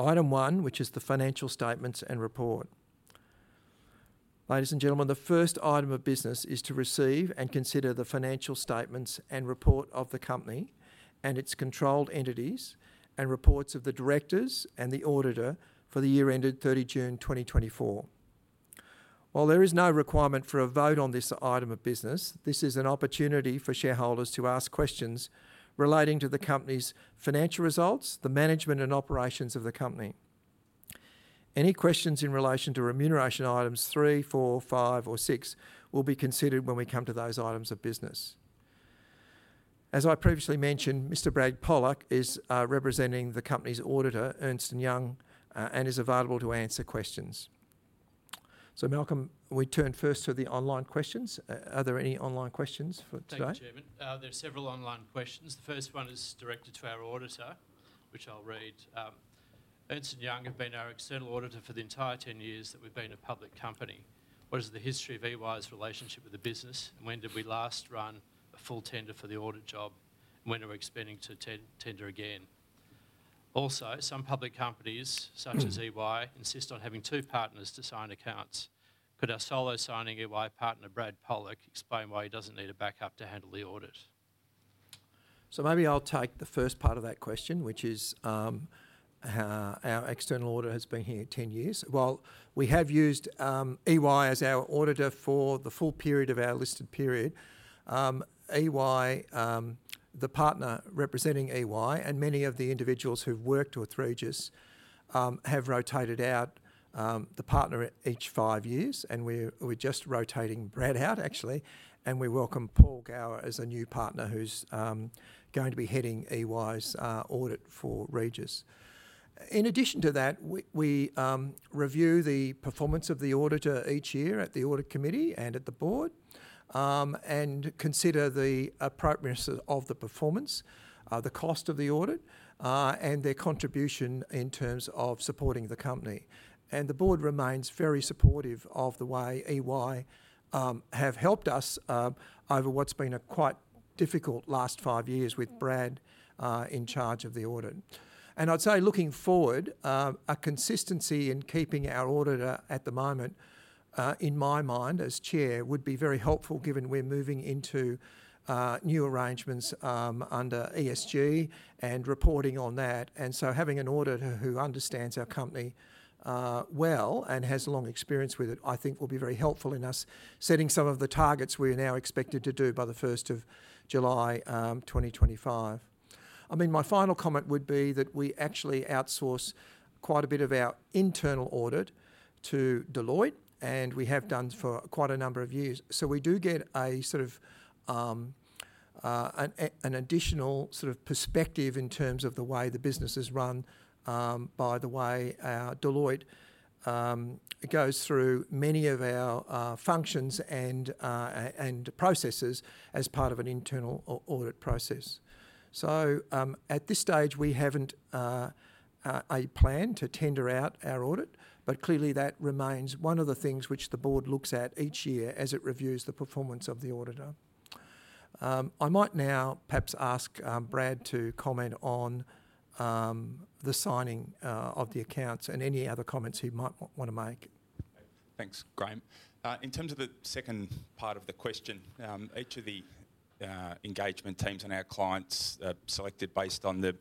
Item one, which is the financial statements and report. Ladies and gentlemen, the first item of business is to receive and consider the financial statements and report of the company and its controlled entities and reports of the directors and the auditor for the year ended 30 June 2024. While there is no requirement for a vote on this item of business, this is an opportunity for shareholders to ask questions relating to the company's financial results, the management, and operations of the company. Any questions in relation to remuneration items three, four, five, or six will be considered when we come to those items of business. As I previously mentioned, Mr. Brad Pollock is representing the company's auditor, Ernst & Young, and is available to answer questions. So, Malcolm, we turn first to the online questions. Are there any online questions for today? Thank you, Chairman. There are several online questions. The first one is directed to our auditor, which I'll read. Ernst & Young have been our external auditor for the entire 10 years that we've been a public company. What is the history of EY's relationship with the business, and when did we last run a full tender for the audit job, and when are we expecting to tender again? Also, some public companies, such as EY, insist on having two partners to sign accounts. Could our solo signing EY partner, Brad Pollock, explain why he doesn't need a backup to handle the audit? So maybe I'll take the first part of that question, which is our external auditor has been here 10 years. Well, we have used EY as our auditor for the full period of our listed period. The partner representing EY and many of the individuals who've worked with Regis have rotated out the partner each five years, and we're just rotating Brad out, actually, and we welcome Paul Gower as a new partner who's going to be heading EY's audit for Regis. In addition to that, we review the performance of the auditor each year at the Audit Committee and at the Board and consider the appropriateness of the performance, the cost of the audit, and their contribution in terms of supporting the company. And the Board remains very supportive of the way EY has helped us over what's been a quite difficult last five years with Brad in charge of the audit. And I'd say looking forward, a consistency in keeping our auditor at the moment, in my mind as chair, would be very helpful given we're moving into new arrangements under ESG and reporting on that. And so having an auditor who understands our company well and has long experience with it, I think, will be very helpful in us setting some of the targets we're now expected to do by the 1st of July 2025. I mean, my final comment would be that we actually outsource quite a bit of our internal audit to Deloitte, and we have done for quite a number of years. So we do get sort of an additional sort of perspective in terms of the way the business is run by the way Deloitte goes through many of our functions and processes as part of an internal audit process. So at this stage, we haven't a plan to tender out our audit, but clearly that remains one of the things which the Board looks at each year as it reviews the performance of the auditor. I might now perhaps ask Brad to comment on the signing of the accounts and any other comments he might want to make. Thanks, Graham. In terms of the second part of the question, each of the engagement teams and our clients are selected based on the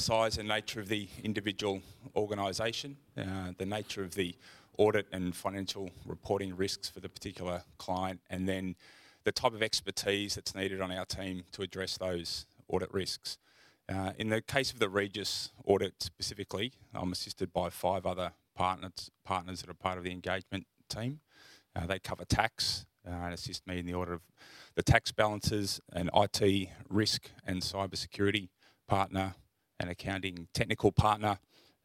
size and nature of the individual organization, the nature of the audit and financial reporting risks for the particular client, and then the type of expertise that's needed on our team to address those audit risks. In the case of the Regis audit specifically, I'm assisted by five other partners that are part of the engagement team. They cover tax and assist me in the audit of the tax balances, an IT risk and cybersecurity partner, an accounting technical partner,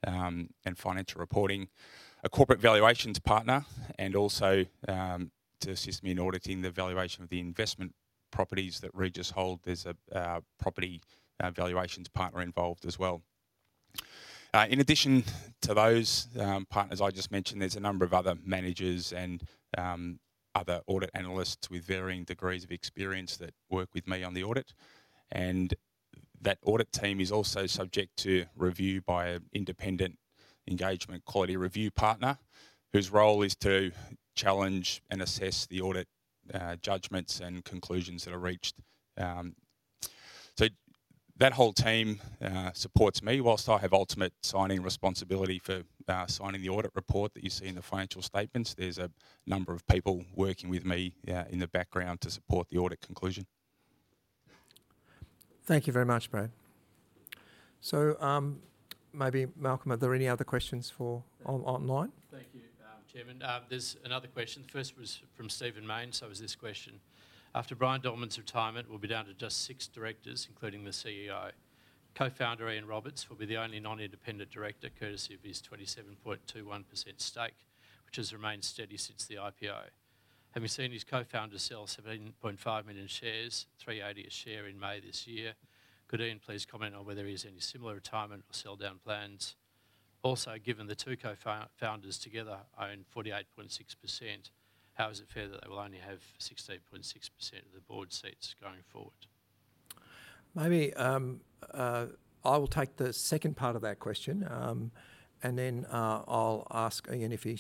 and financial reporting, a corporate valuations partner, and also to assist me in auditing the valuation of the investment properties that Regis holds. There's a property valuations partner involved as well. In addition to those partners I just mentioned, there's a number of other managers and other audit analysts with varying degrees of experience that work with me on the audit. And that audit team is also subject to review by an independent engagement quality review partner whose role is to challenge and assess the audit judgments and conclusions that are reached. So that whole team supports me whilst I have ultimate signing responsibility for signing the audit report that you see in the financial statements. There's a number of people working with me in the background to support the audit conclusion. Thank you very much, Brad. So maybe, Malcolm, are there any other questions for online? There's another question. The first was from Stephen Mayne, so it was this question. After Bryan Dorman's retirement, we'll be down to just six directors, including the CEO. Co-founder Ian Roberts will be the only non-independent director, courtesy of his 27.21% stake, which has remained steady since the IPO. Having seen his co-founder sell 17.5 million shares, 3.80 a share in May this year, could Ian please comment on whether he has any similar retirement or sell-down plans? Also, given the two co-founders together own 48.6%, how is it fair that they will only have 16.6% of the Board seats going forward? Maybe I will take the second part of that question, and then I'll ask Ian if he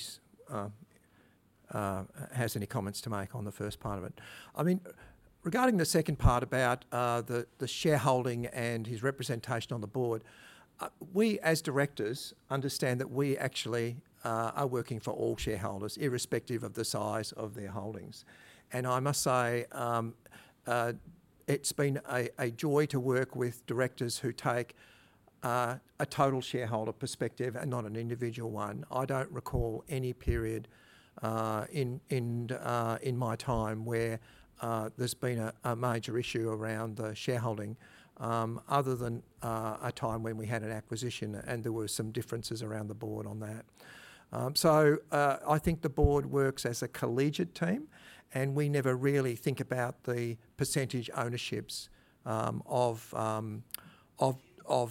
has any comments to make on the first part of it. I mean, regarding the second part about the shareholding and his representation on the board, we as directors understand that we actually are working for all shareholders, irrespective of the size of their holdings. And I must say it's been a joy to work with directors who take a total shareholder perspective and not an individual one. I don't recall any period in my time where there's been a major issue around the shareholding other than a time when we had an acquisition and there were some differences around the board on that. So I think the board works as a collegiate team, and we never really think about the percentage ownerships of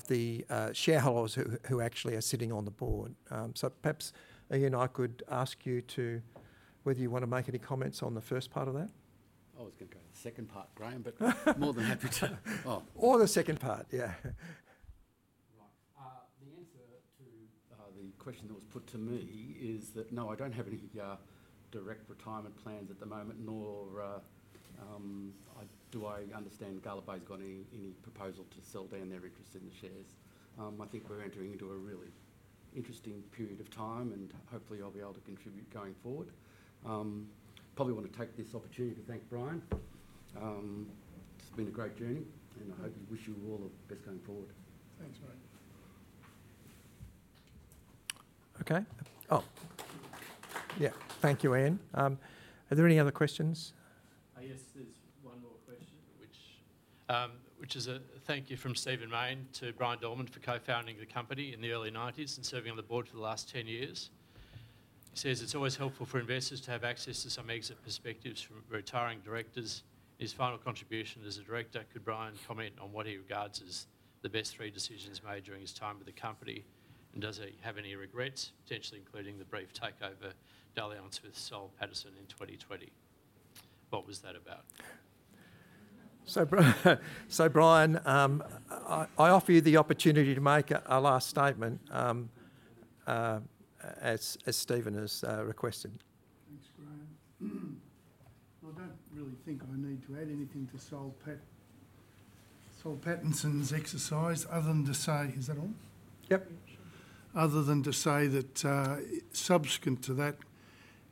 the shareholders who actually are sitting on the board. So perhaps Ian and I could ask you whether you want to make any comments on the first part of that? Oh, I was going to go to the second part, Graham, but more than happy to. Or the second part, yeah. Right. The answer to the question that was put to me is that no, I don't have any direct retirement plans at the moment, nor do I understand Galabay's got any proposal to sell down their interest in the shares. I think we're entering into a really interesting period of time, and hopefully I'll be able to contribute going forward. Probably want to take this opportunity to thank Bryan. It's been a great journey, and I hope we wish you all the best going forward. Thanks, Graham. Okay. Oh, yeah. Thank you, Ian. Are there any other questions? Yes, there's one more question, which is a thank you from Stephen Mayne to Bryan Dorman for co-founding the company in the early 1990s and serving on the board for the last 10 years. He says it's always helpful for investors to have access to some exit perspectives from retiring directors. His final contribution as a director, could Bryan comment on what he regards as the best three decisions made during his time with the company? And does he have any regrets, potentially including the brief takeover dalliance with, Soul Pattinson in 2020? What was that about? So Bryan, I offer you the opportunity to make a last statement as Stephen has requested. Thanks, Graham. Well, I don't really think I need to add anything to Soul Pattinson's exercise other than to say, is that all? Yep. Other than to say that subsequent to that,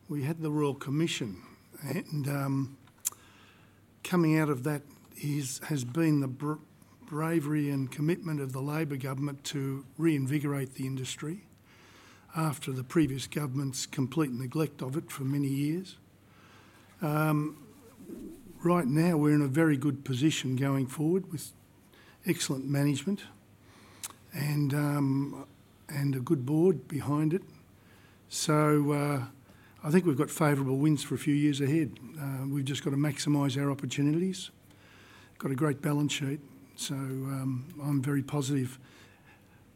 we had the Royal Commission, and coming out of that has been the bravery and commitment of the Labor government to reinvigorate the industry after the previous government's complete neglect of it for many years. Right now, we're in a very good position going forward with excellent management and a good board behind it. So I think we've got favorable winds for a few years ahead. We've just got to maximize our opportunities. Got a great balance sheet. So I'm very positive.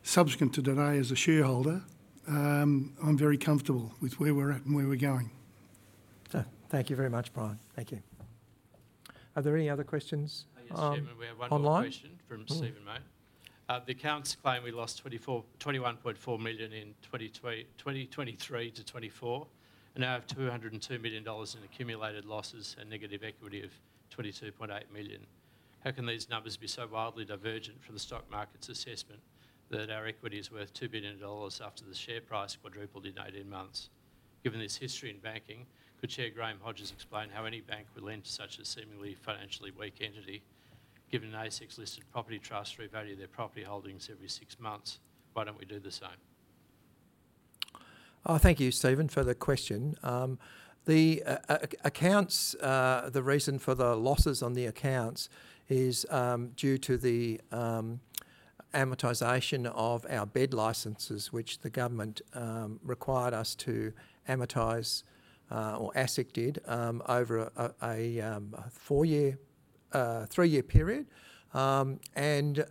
Subsequent to today as a shareholder, I'm very comfortable with where we're at and where we're going. So thank you very much, Bryan. Thank you. Are there any other questions? Yes, Chairman. We have one more question from Stephen Mayne. The accounts claim we lost 21.4 million in 2023 to 2024 and now have $202 million in accumulated losses and negative equity of 22.8 million. How can these numbers be so wildly divergent from the stock market's assessment that our equity is worth $2 billion after the share price quadrupled in 18 months? Given this history in banking, could Chair Graham Hodges explain how any bank would lend to such a seemingly financially weak entity? Given ASX-listed property trusts revalue their property holdings every six months, why don't we do the same? Thank you, Stephen, for the question. The reason for the losses on the accounts is due to the amortization of our bed licences, which the government required us to amortize our assets over a three-year period. And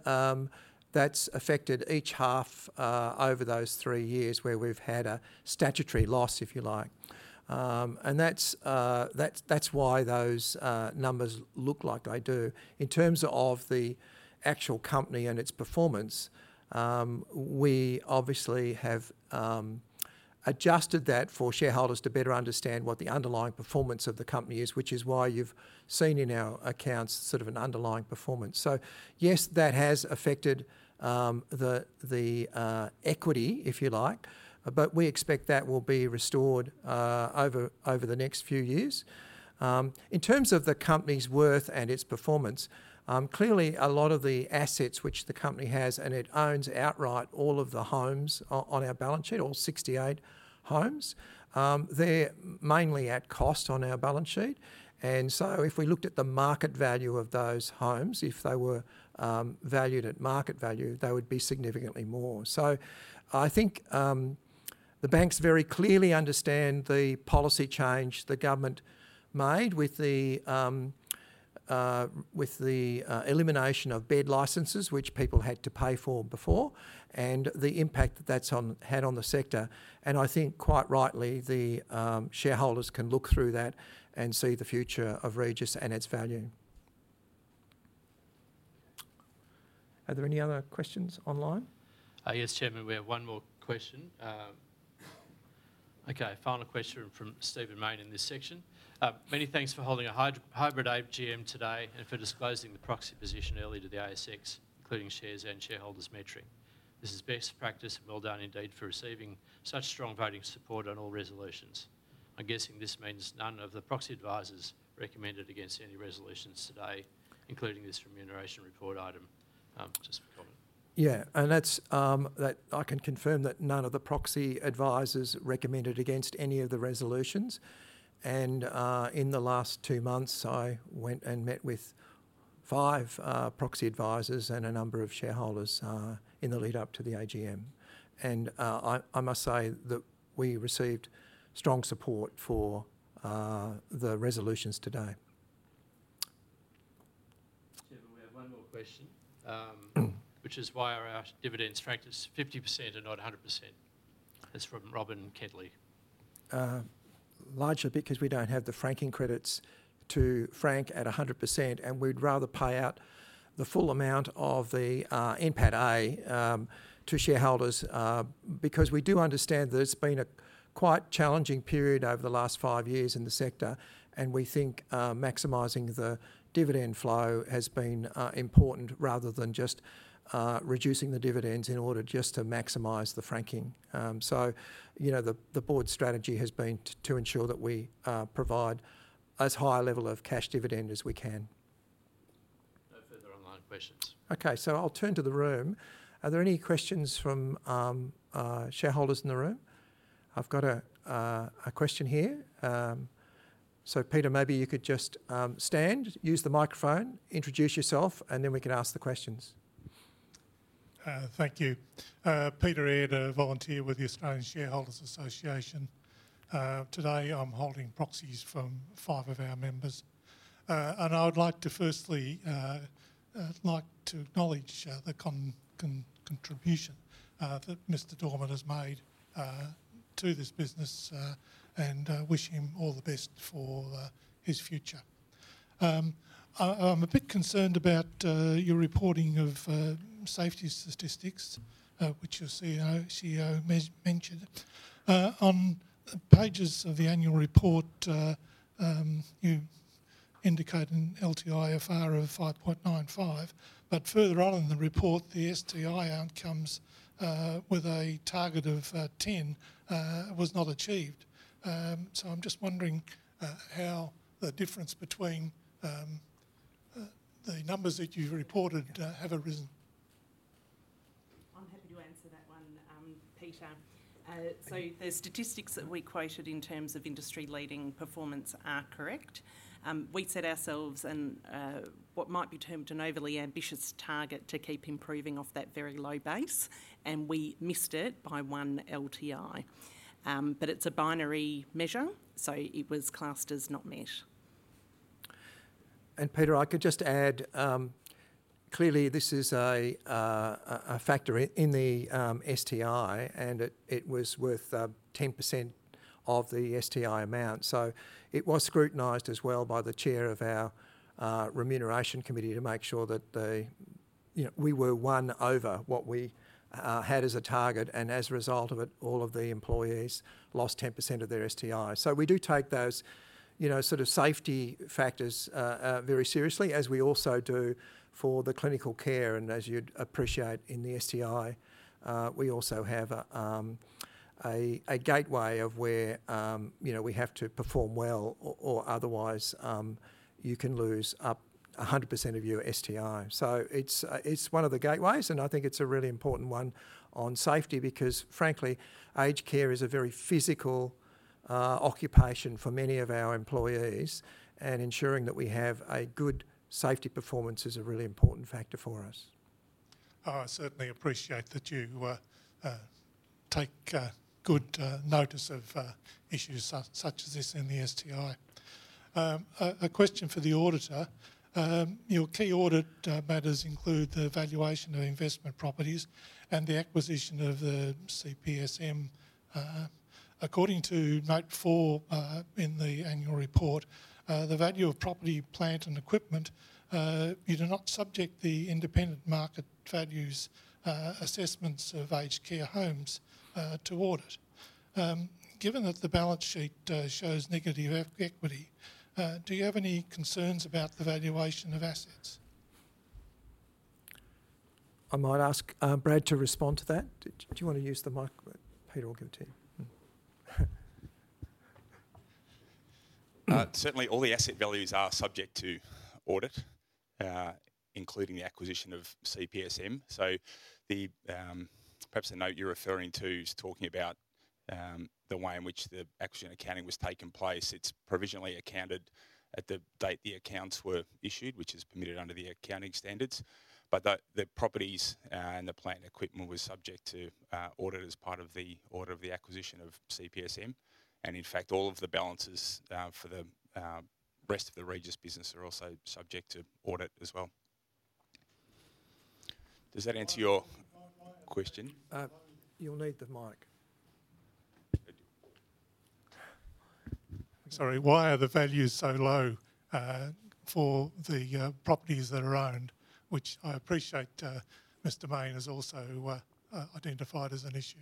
that's affected each half over those three years where we've had a statutory loss, if you like. And that's why those numbers look like they do. In terms of the actual company and its performance, we obviously have adjusted that for shareholders to better understand what the underlying performance of the company is, which is why you've seen in our accounts sort of an underlying performance. So yes, that has affected the equity, if you like, but we expect that will be restored over the next few years. In terms of the company's worth and its performance, clearly a lot of the assets which the company has and it owns outright, all of the homes on our balance sheet, all 68 homes, they're mainly at cost on our balance sheet. And so if we looked at the market value of those homes, if they were valued at market value, they would be significantly more. So I think the banks very clearly understand the policy change the government made with the elimination of bed licences, which people had to pay for before, and the impact that that's had on the sector. And I think quite rightly, the shareholders can look through that and see the future of Regis and its value. Are there any other questions online? Yes, Chairman. We have one more question. Okay, final question from Stephen Mayne in this section. Many thanks for holding a hybrid AGM today and for disclosing the proxy position early to the ASX, including shares and shareholders' metric. This is best practice and well done indeed for receiving such strong voting support on all resolutions. I'm guessing this means none of the proxy advisors recommended against any resolutions today, including this remuneration report item. Just a comment. Yeah, and I can confirm that none of the proxy advisors recommended against any of the resolutions. And in the last two months, I went and met with five proxy advisors and a number of shareholders in the lead-up to the AGM. And I must say that we received strong support for the resolutions today. Chairman, we have one more question, which is why are our dividend frankings 50% and not 100%? It's from Robin Kedley. Largely because we don't have the franking credits to frank at 100%, and we'd rather pay out the full amount of the NPATA to shareholders because we do understand that it's been a quite challenging period over the last five years in the sector, and we think maximizing the dividend flow has been important rather than just reducing the dividends in order just to maximize the franking. So the board's strategy has been to ensure that we provide as high a level of cash dividend as we can. No further online questions. Okay, so I'll turn to the room. Are there any questions from shareholders in the room? I've got a question here. So Peter, maybe you could just stand, use the microphone, introduce yourself, and then we can ask the questions. Thank you. Peter Eynon, a volunteer with the Australian Shareholders' Association. Today I'm holding proxies from five of our members. I would like to firstly acknowledge the contribution that Mr. Dorman has made to this business and wish him all the best for his future. I'm a bit concerned about your reporting of safety statistics, which your CEO mentioned. On the pages of the annual report, you indicate an LTIFR of 5.95, but further on in the report, the STI outcomes with a target of 10 was not achieved. I'm just wondering how the difference between the numbers that you've reported have arisen. I'm happy to answer that one, Peter. The statistics that we quoted in terms of industry-leading performance are correct. We set ourselves what might be termed an overly ambitious target to keep improving off that very low base, and we missed it by one LTI. But it's a binary measure, so it was classed as not met. And Peter, I could just add, clearly this is a factor in the STI, and it was worth 10% of the STI amount. So it was scrutinized as well by the chair of our remuneration committee to make sure that we were one over what we had as a target. And as a result of it, all of the employees lost 10% of their STI. So we do take those sort of safety factors very seriously, as we also do for the clinical care. And as you'd appreciate, in the STI, we also have a gateway of where we have to perform well or otherwise you can lose up to 100% of your STI. It's one of the gateways, and I think it's a really important one on safety because, frankly, aged care is a very physical occupation for many of our employees, and ensuring that we have a good safety performance is a really important factor for us. I certainly appreciate that you take good notice of issues such as this in the STI. A question for the auditor. Your key audit matters include the valuation of investment properties and the acquisition of the CPSM. According to note four in the annual report, the value of property, plant, and equipment, you do not subject the independent market values assessments of aged care homes to audit. Given that the balance sheet shows negative equity, do you have any concerns about the valuation of assets? I might ask Brad to respond to that. Do you want to use the microphone? Peter will give it to you. Certainly, all the asset values are subject to audit, including the acquisition of CPSM. So perhaps the note you're referring to is talking about the way in which the acquisition accounting was taking place. It's provisionally accounted at the date the accounts were issued, which is permitted under the accounting standards, but the properties and the plant equipment were subject to audit as part of the audit of the acquisition of CPSM. And in fact, all of the balances for the rest of the Regis business are also subject to audit as well. Does that answer your question? You'll need the mic. Sorry, why are the values so low for the properties that are owned, which I appreciate Mr. Mayne has also identified as an issue?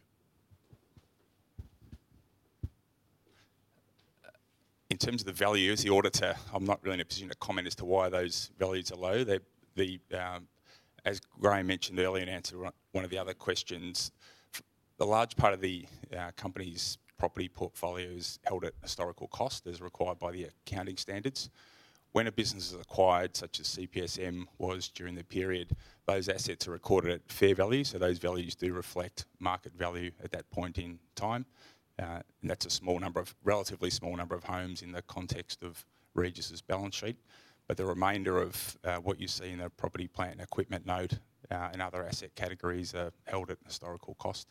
In terms of the values, the auditor, I'm not really in a position to comment as to why those values are low. As Graham mentioned earlier in answer to one of the other questions, a large part of the company's property portfolios held at historical cost as required by the accounting standards. When a business is acquired, such as CPSM was during the period, those assets are recorded at fair value. So those values do reflect market value at that point in time. And that's a relatively small number of homes in the context of Regis's balance sheet. But the remainder of what you see in the property, plant, and equipment note and other asset categories are held at historical cost,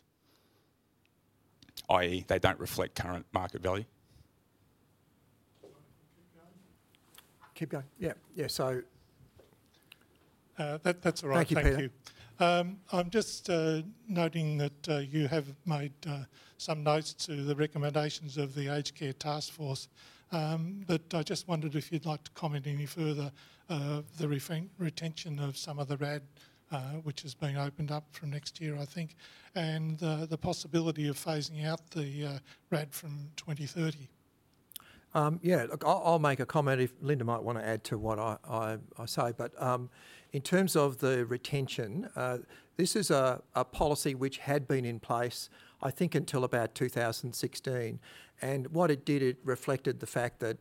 i.e., they don't reflect current market value. Keep going. Yeah, yeah, so that's all right. Thank you, Peter. I'm just noting that you have made some notes to the recommendations of the Aged Care Taskforce. But I just wondered if you'd like to comment any further on the retention of some of the RAD, which is being opened up from next year, I think, and the possibility of phasing out the RAD from 2030. Yeah, look, I'll make a comment if Linda might want to add to what I say. But in terms of the retention, this is a policy which had been in place, I think, until about 2016. And what it did, it reflected the fact that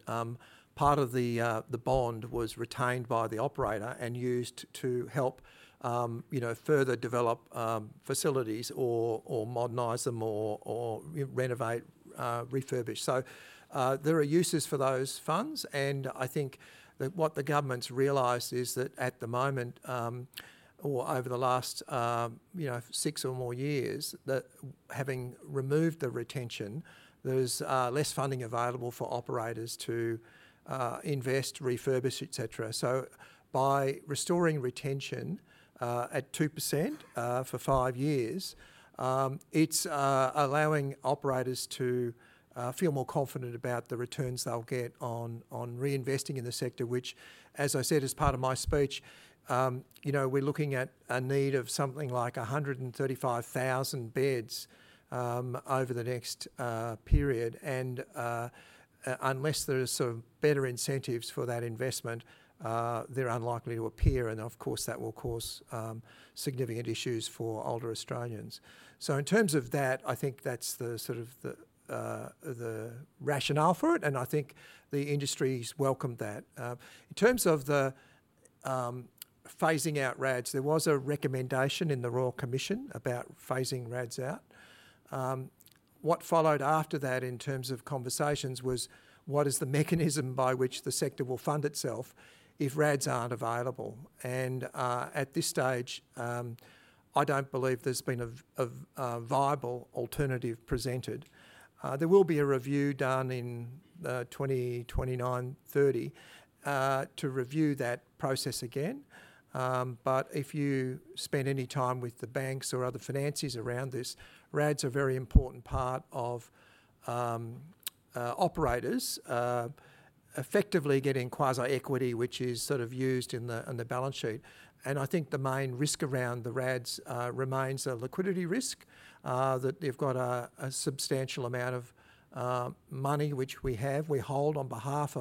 part of the bond was retained by the operator and used to help further develop facilities or modernize them or renovate, refurbish. So there are uses for those funds. I think that what the government's realized is that at the moment or over the last six or more years, having removed the retention, there's less funding available for operators to invest, refurbish, etc. So by restoring retention at 2% for five years, it's allowing operators to feel more confident about the returns they'll get on reinvesting in the sector, which, as I said as part of my speech, we're looking at a need of something like 135,000 beds over the next period. And unless there are sort of better incentives for that investment, they're unlikely to appear. And of course, that will cause significant issues for older Australians. So in terms of that, I think that's the rationale for it. And I think the industry's welcomed that. In terms of phasing out RADs, there was a recommendation in the Royal Commission about phasing RADs out. What followed after that in terms of conversations was, what is the mechanism by which the sector will fund itself if RADs aren't available? And at this stage, I don't believe there's been a viable alternative presented. There will be a review done in 2029-2030 to review that process again. But if you spend any time with the banks or other finances around this, RADs are a very important part of operators effectively getting quasi-equity, which is sort of used in the balance sheet. And I think the main risk around the RADs remains a liquidity risk, that they've got a substantial amount of money, which we hold on behalf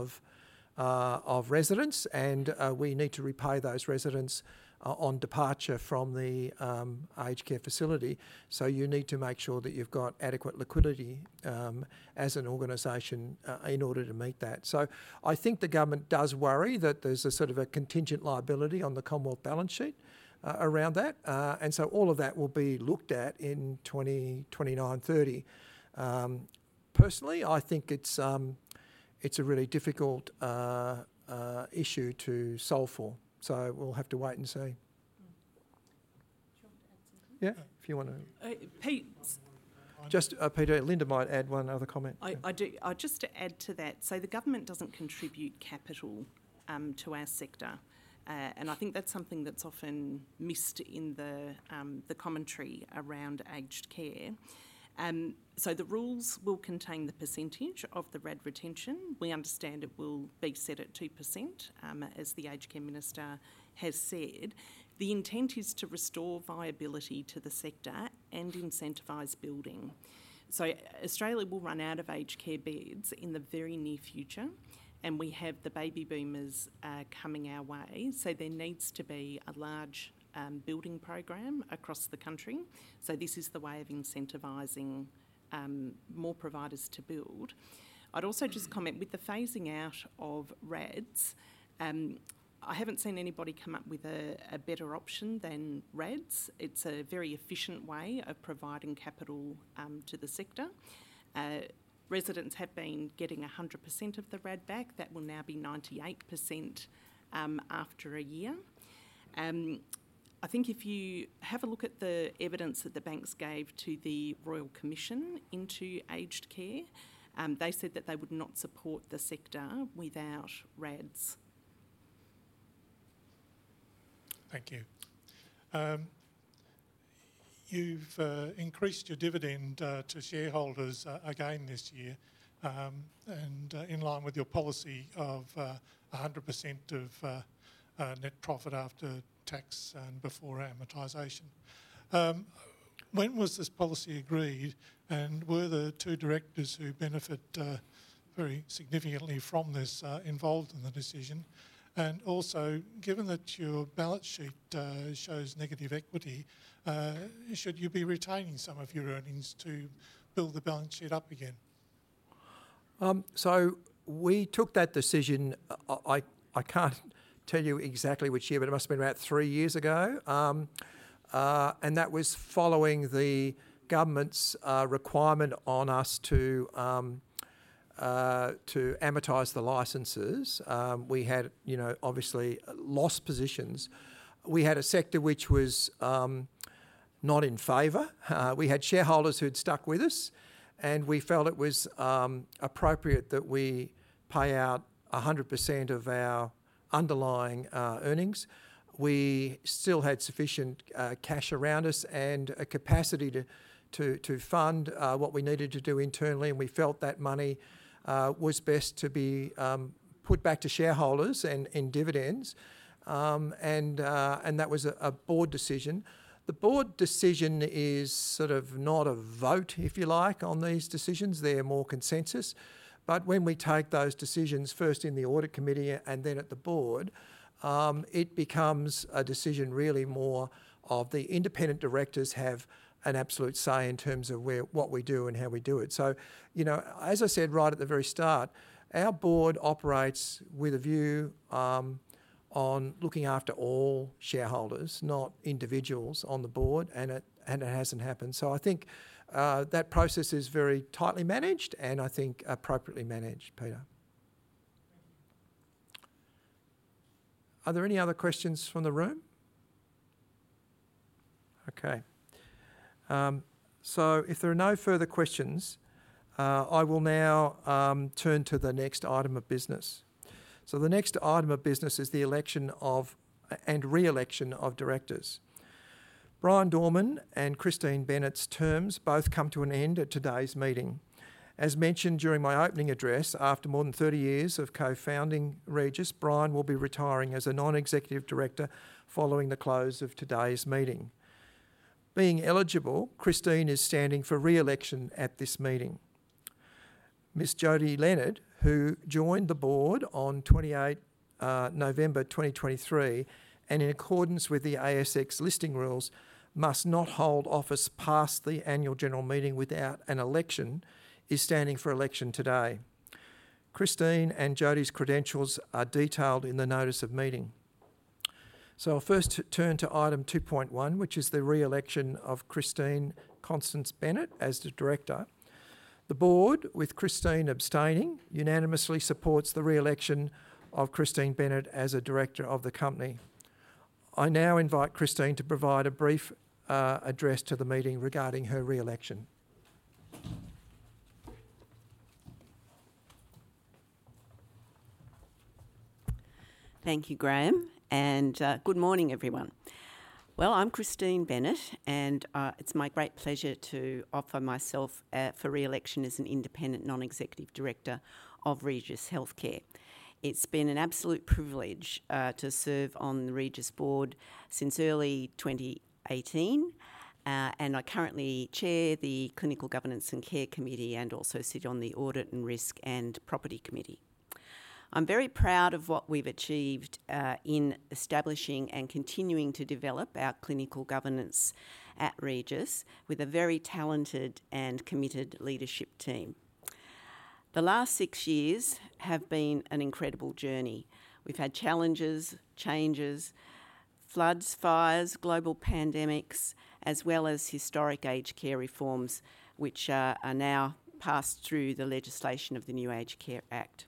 of residents, and we need to repay those residents on departure from the aged care facility. So you need to make sure that you've got adequate liquidity as an organization in order to meet that. So I think the government does worry that there's a sort of contingent liability on the Commonwealth balance sheet around that. And so all of that will be looked at in 2029-2030. Personally, I think it's a really difficult issue to solve for. So we'll have to wait and see. Yeah, if you want to. Just Peter, Linda might add one other comment. Just to add to that, so the government doesn't contribute capital to our sector. And I think that's something that's often missed in the commentary around aged care. So the rules will contain the percentage of the RAD retention. We understand it will be set at 2%, as the aged care minister has said. The intent is to restore viability to the sector and incentivise building. So Australia will run out of aged care beds in the very near future, and we have the baby boomers coming our way. So there needs to be a large building program across the country. So this is the way of incentivizing more providers to build. I'd also just comment, with the phasing out of RADs, I haven't seen anybody come up with a better option than RADs. It's a very efficient way of providing capital to the sector. Residents have been getting 100% of the RAD back. That will now be 98% after a year. I think if you have a look at the evidence that the banks gave to the Royal Commission into aged care, they said that they would not support the sector without RADs. Thank you. You've increased your dividend to shareholders again this year, and in line with your policy of 100% of net profit after tax and before amortization. When was this policy agreed, and were the two directors who benefit very significantly from this involved in the decision? And also, given that your balance sheet shows negative equity, should you be retaining some of your earnings to build the balance sheet up again? So we took that decision, I can't tell you exactly which year, but it must have been about three years ago. And that was following the government's requirement on us to amortize the licences. We had obviously lost positions. We had a sector which was not in favor. We had shareholders who had stuck with us, and we felt it was appropriate that we pay out 100% of our underlying earnings. We still had sufficient cash around us and a capacity to fund what we needed to do internally, and we felt that money was best to be put back to shareholders in dividends, and that was a board decision. The board decision is sort of not a vote, if you like, on these decisions. They're more consensus, but when we take those decisions first in the audit committee and then at the board, it becomes a decision really more of the independent directors have an absolute say in terms of what we do and how we do it, so as I said right at the very start, our board operates with a view on looking after all shareholders, not individuals on the board, and it hasn't happened, so I think that process is very tightly managed and I think appropriately managed, Peter. Are there any other questions from the room? Okay, so if there are no further questions, I will now turn to the next item of business, so the next item of business is the election and re-election of directors. Bryan Dorman and Christine Bennett's terms both come to an end at today's meeting. As mentioned during my opening address, after more than 30 years of co-founding Regis, Bryan will be retiring as a non-executive director following the close of today's meeting. Being eligible, Christine is standing for re-election at this meeting. Miss Jodie Leonard, who joined the board on 28 November 2023, and in accordance with the ASX listing rules, must not hold office past the annual general meeting without an election, is standing for election today. Christine and Jodie's credentials are detailed in the notice of meeting, so I'll first turn to item 2.1, which is the re-election of Christine Constance Bennett as the director. The board, with Christine abstaining, unanimously supports the re-election of Christine Bennett as a director of the company. I now invite Christine to provide a brief address to the meeting regarding her re-election. Thank you, Graham. And good morning, everyone. Well, I'm Christine Bennett, and it's my great pleasure to offer myself for re-election as an independent non-executive director of Regis Healthcare. It's been an absolute privilege to serve on the Regis board since early 2018, and I currently chair the Clinical Governance and Care Committee and also sit on the Audit and Risk and Property Committee. I'm very proud of what we've achieved in establishing and continuing to develop our clinical governance at Regis with a very talented and committed leadership team. The last six years have been an incredible journey. We've had challenges, changes, floods, fires, global pandemics, as well as historic aged care reforms, which are now passed through the legislation of the New Aged Care Act.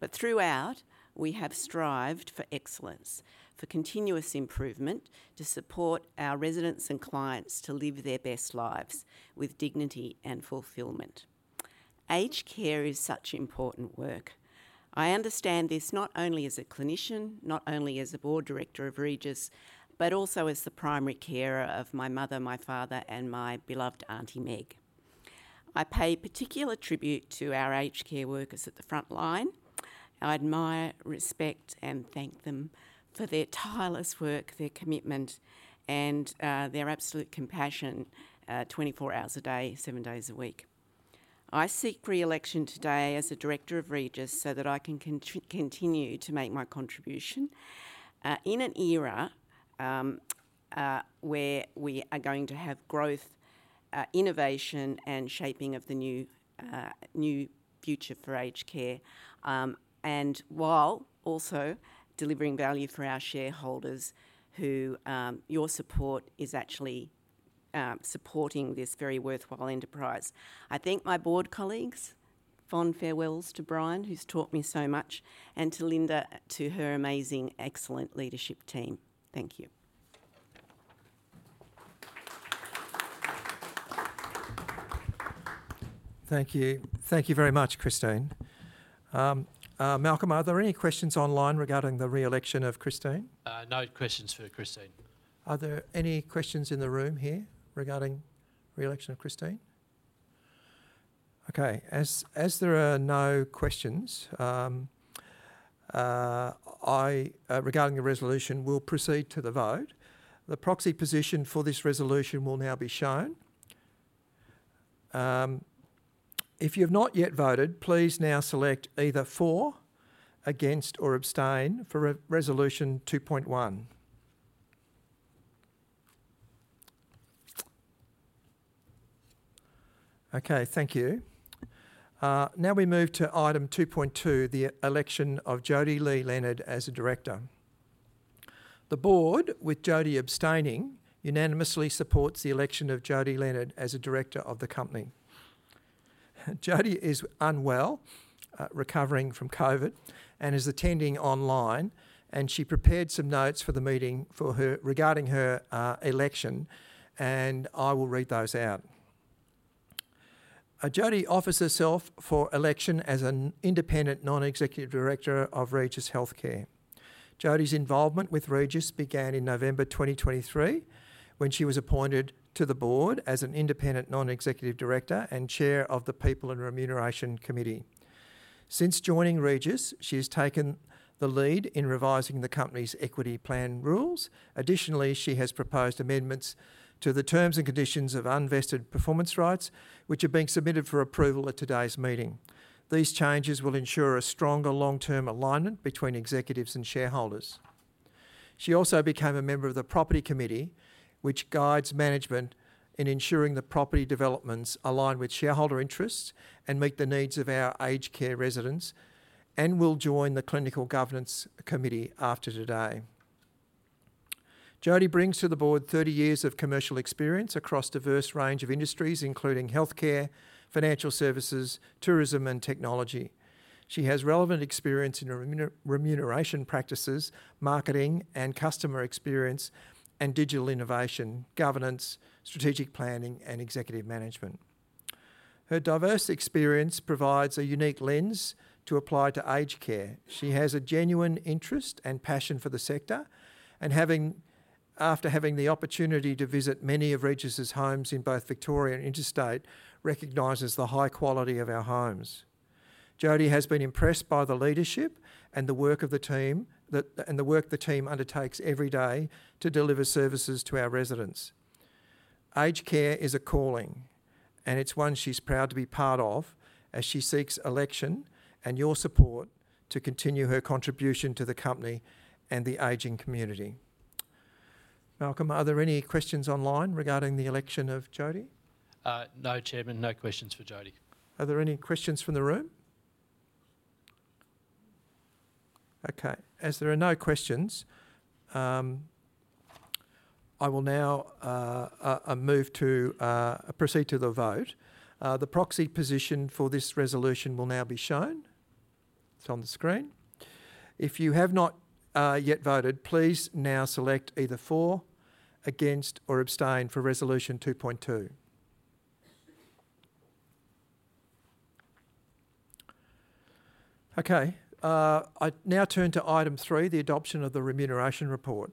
But throughout, we have strived for excellence, for continuous improvement to support our residents and clients to live their best lives with dignity and fulfillment. Aged care is such important work. I understand this not only as a clinician, not only as a board director of Regis, but also as the primary carer of my mother, my father, and my beloved auntie, Meg. I pay particular tribute to our aged care workers at the front line. I admire, respect, and thank them for their tireless work, their commitment, and their absolute compassion 24 hours a day, seven days a week. I seek re-election today as a director of Regis so that I can continue to make my contribution in an era where we are going to have growth, innovation, and shaping of the new future for aged care, and while also delivering value for our shareholders, who your support is actually supporting this very worthwhile enterprise. I thank my board colleagues, fond farewells to Bryan, who's taught me so much, and to Linda, to her amazing, excellent leadership team. Thank you. Thank you. Thank you very much, Christine. Malcolm, are there any questions online regarding the re-election of Christine? No questions for Christine. Are there any questions in the room here regarding re-election of Christine? Okay. As there are no questions regarding the resolution, we'll proceed to the vote. The proxy position for this resolution will now be shown. If you have not yet voted, please now select either for, against, or abstain for resolution 2.1. Okay. Thank you. Now we move to item 2.2, the election of Jodie Leonard as a director. The board, with Jodie abstaining, unanimously supports the election of Jodie Leonard as a director of the company. Jodie is unwell, recovering from COVID, and is attending online, and she prepared some notes for the meeting regarding her election, and I will read those out. Jodie offers herself for election as an independent non-executive director of Regis Healthcare. Jodie's involvement with Regis began in November 2023 when she was appointed to the board as an independent non-executive director and chair of the People and Remuneration Committee. Since joining Regis, she has taken the lead in revising the company's equity plan rules. Additionally, she has proposed amendments to the terms and conditions of unvested performance rights, which are being submitted for approval at today's meeting. These changes will ensure a stronger long-term alignment between executives and shareholders. She also became a member of the Property Committee, which guides management in ensuring the property developments align with shareholder interests and meet the needs of our aged care residents, and will join the Clinical Governance Committee after today. Jodie brings to the board 30 years of commercial experience across a diverse range of industries, including healthcare, financial services, tourism, and technology. She has relevant experience in remuneration practices, marketing and customer experience, and digital innovation, governance, strategic planning, and executive management. Her diverse experience provides a unique lens to apply to aged care. She has a genuine interest and passion for the sector, and after having the opportunity to visit many of Regis' homes in both Victoria and Interstate, recognizes the high quality of our homes. Jodie has been impressed by the leadership and the work of the team and the work the team undertakes every day to deliver services to our residents. Aged care is a calling, and it's one she's proud to be part of as she seeks election and your support to continue her contribution to the company and the aging community. Malcolm, are there any questions online regarding the election of Jodie? No, Chairman. No questions for Jodie. Are there any questions from the room? Okay. As there are no questions, I will now move to proceed to the vote. The proxy position for this resolution will now be shown. It's on the screen. If you have not yet voted, please now select either for, against, or abstain for resolution 2.2. Okay. I now turn to item three, the adoption of the remuneration report.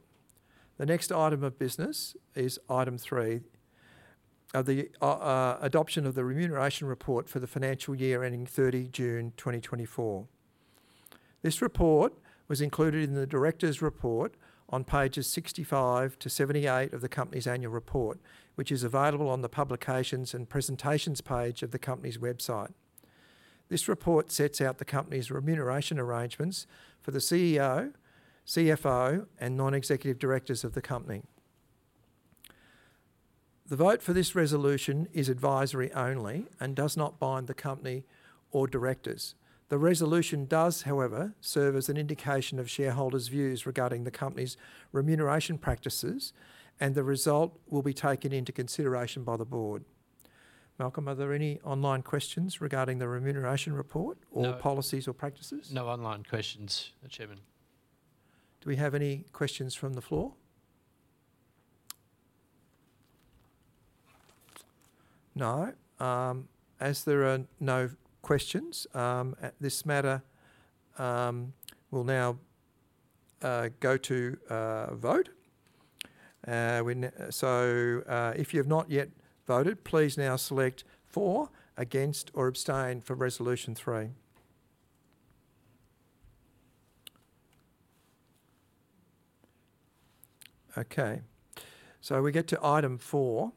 The next item of business is item three, the adoption of the remuneration report for the financial year ending 30 June 2024. This report was included in the directors' report on pages 65 to 78 of the company's annual report, which is available on the publications and presentations page of the company's website. This report sets out the company's remuneration arrangements for the CEO, CFO, and non-executive directors of the company. The vote for this resolution is advisory only and does not bind the company or directors. The resolution does, however, serve as an indication of shareholders' views regarding the company's remuneration practices, and the result will be taken into consideration by the board. Malcolm, are there any online questions regarding the remuneration report or policies or practices? No online questions, Chairman. Do we have any questions from the floor? No. As there are no questions at this matter, we'll now go to vote. So if you have not yet voted, please now select for, against, or abstain for resolution three. Okay. So we get to item four,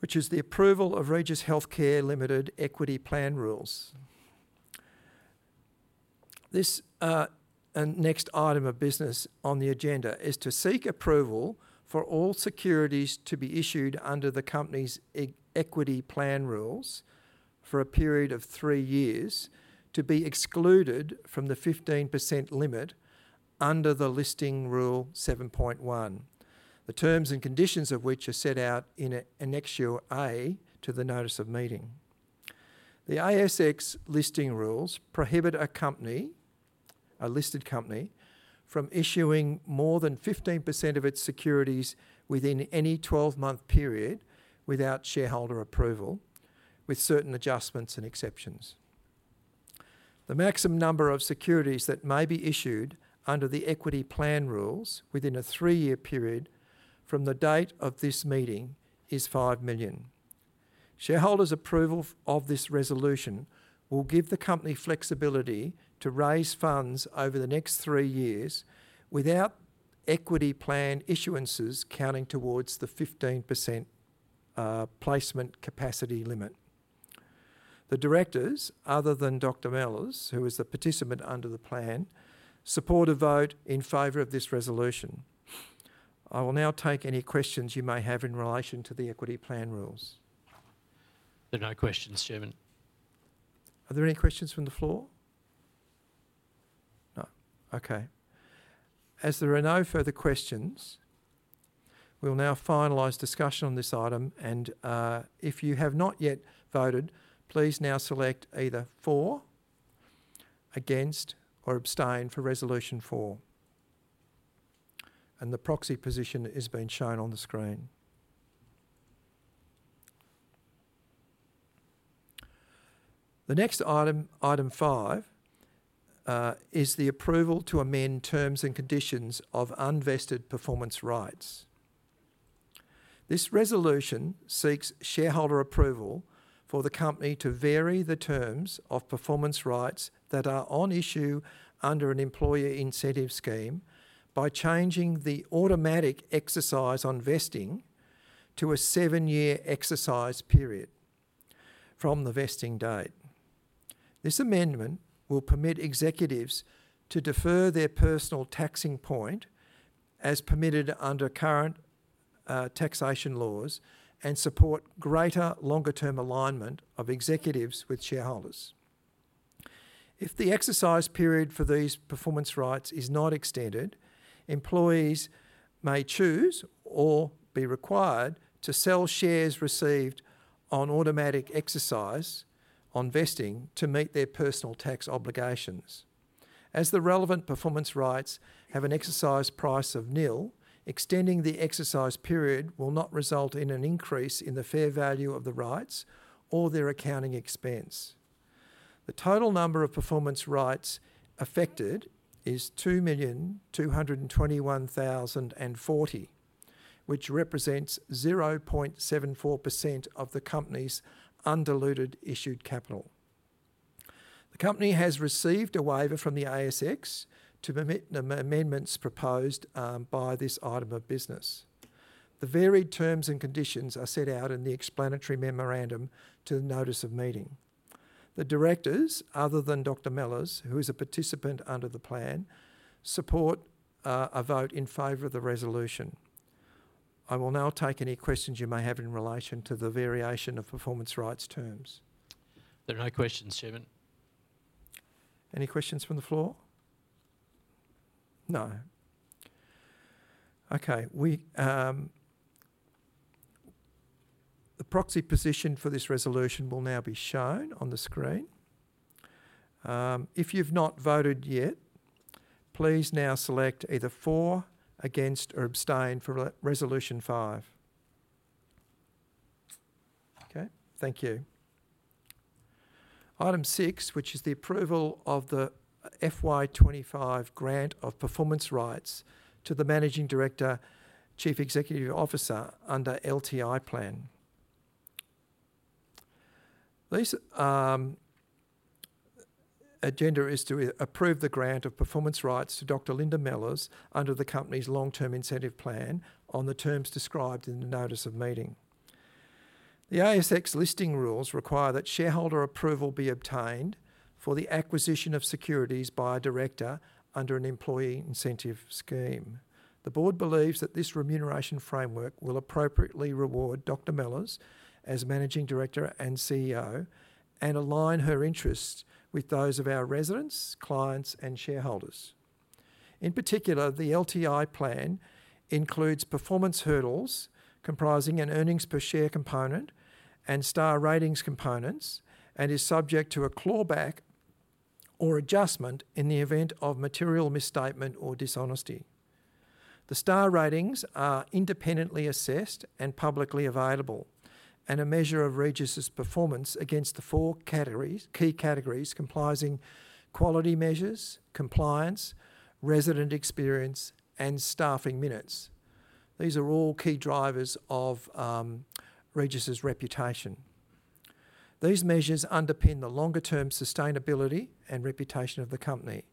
which is the approval of Regis Healthcare Limited Equity Plan Rules. This next item of business on the agenda is to seek approval for all securities to be issued under the company's equity plan rules for a period of three years to be excluded from the 15% limit under the Listing Rule 7.1, the terms and conditions of which are set out in Annexure A to the notice of meeting. The ASX listing rules prohibit a listed company from issuing more than 15% of its securities within any 12-month period without shareholder approval, with certain adjustments and exceptions. The maximum number of securities that may be issued under the equity plan rules within a three-year period from the date of this meeting is 5 million. Shareholders' approval of this resolution will give the company flexibility to raise funds over the next three years without equity plan issuances counting towards the 15% placement capacity limit. The directors, other than Dr. Mellors, who is the participant under the plan, support a vote in favor of this resolution. I will now take any questions you may have in relation to the equity plan rules. There are no questions, Chairman. Are there any questions from the floor? No. Okay. As there are no further questions, we'll now finalize discussion on this item. If you have not yet voted, please now select either for, against, or abstain for resolution four. The proxy position has been shown on the screen. The next item, item five, is the approval to amend terms and conditions of unvested performance rights. This resolution seeks shareholder approval for the company to vary the terms of performance rights that are on issue under an employer incentive scheme by changing the automatic exercise on vesting to a seven-year exercise period from the vesting date. This amendment will permit executives to defer their personal taxing point as permitted under current taxation laws and support greater longer-term alignment of executives with shareholders. If the exercise period for these performance rights is not extended, employees may choose or be required to sell shares received on automatic exercise on vesting to meet their personal tax obligations. As the relevant performance rights have an exercise price of nil, extending the exercise period will not result in an increase in the fair value of the rights or their accounting expense. The total number of performance rights affected is 2,221,040, which represents 0.74% of the company's undiluted issued capital. The company has received a waiver from the ASX to permit amendments proposed by this item of business. The varied terms and conditions are set out in the explanatory memorandum to the notice of meeting. The directors, other than Dr. Mellors, who is a participant under the plan, support a vote in favour of the resolution. I will now take any questions you may have in relation to the variation of performance rights terms. There are no questions, Chairman. Any questions from the floor? No. Okay. The proxy position for this resolution will now be shown on the screen. If you've not voted yet, please now select either for, against, or abstain for resolution five. Okay. Thank you. Item six, which is the approval of the FY2025 grant of performance rights to the Managing Director, Chief Executive Officer under LTI Plan. This agenda is to approve the grant of performance rights to Dr. Linda Mellors under the company's long-term incentive plan on the terms described in the notice of meeting. The ASX listing rules require that shareholder approval be obtained for the acquisition of securities by a director under an employee incentive scheme. The board believes that this remuneration framework will appropriately reward Dr. Mellors as Managing Director and CEO and align her interests with those of our residents, clients, and shareholders. In particular, the LTI Plan includes performance hurdles comprising an earnings per share component and Star Ratings components and is subject to a clawback or adjustment in the event of material misstatement or dishonesty. The Star Ratings are independently assessed and publicly available and a measure of Regis' performance against the four key categories comprising quality measures, compliance, resident experience, and staffing minutes. These are all key drivers of Regis' reputation. These measures underpin the longer-term sustainability and reputation of the company.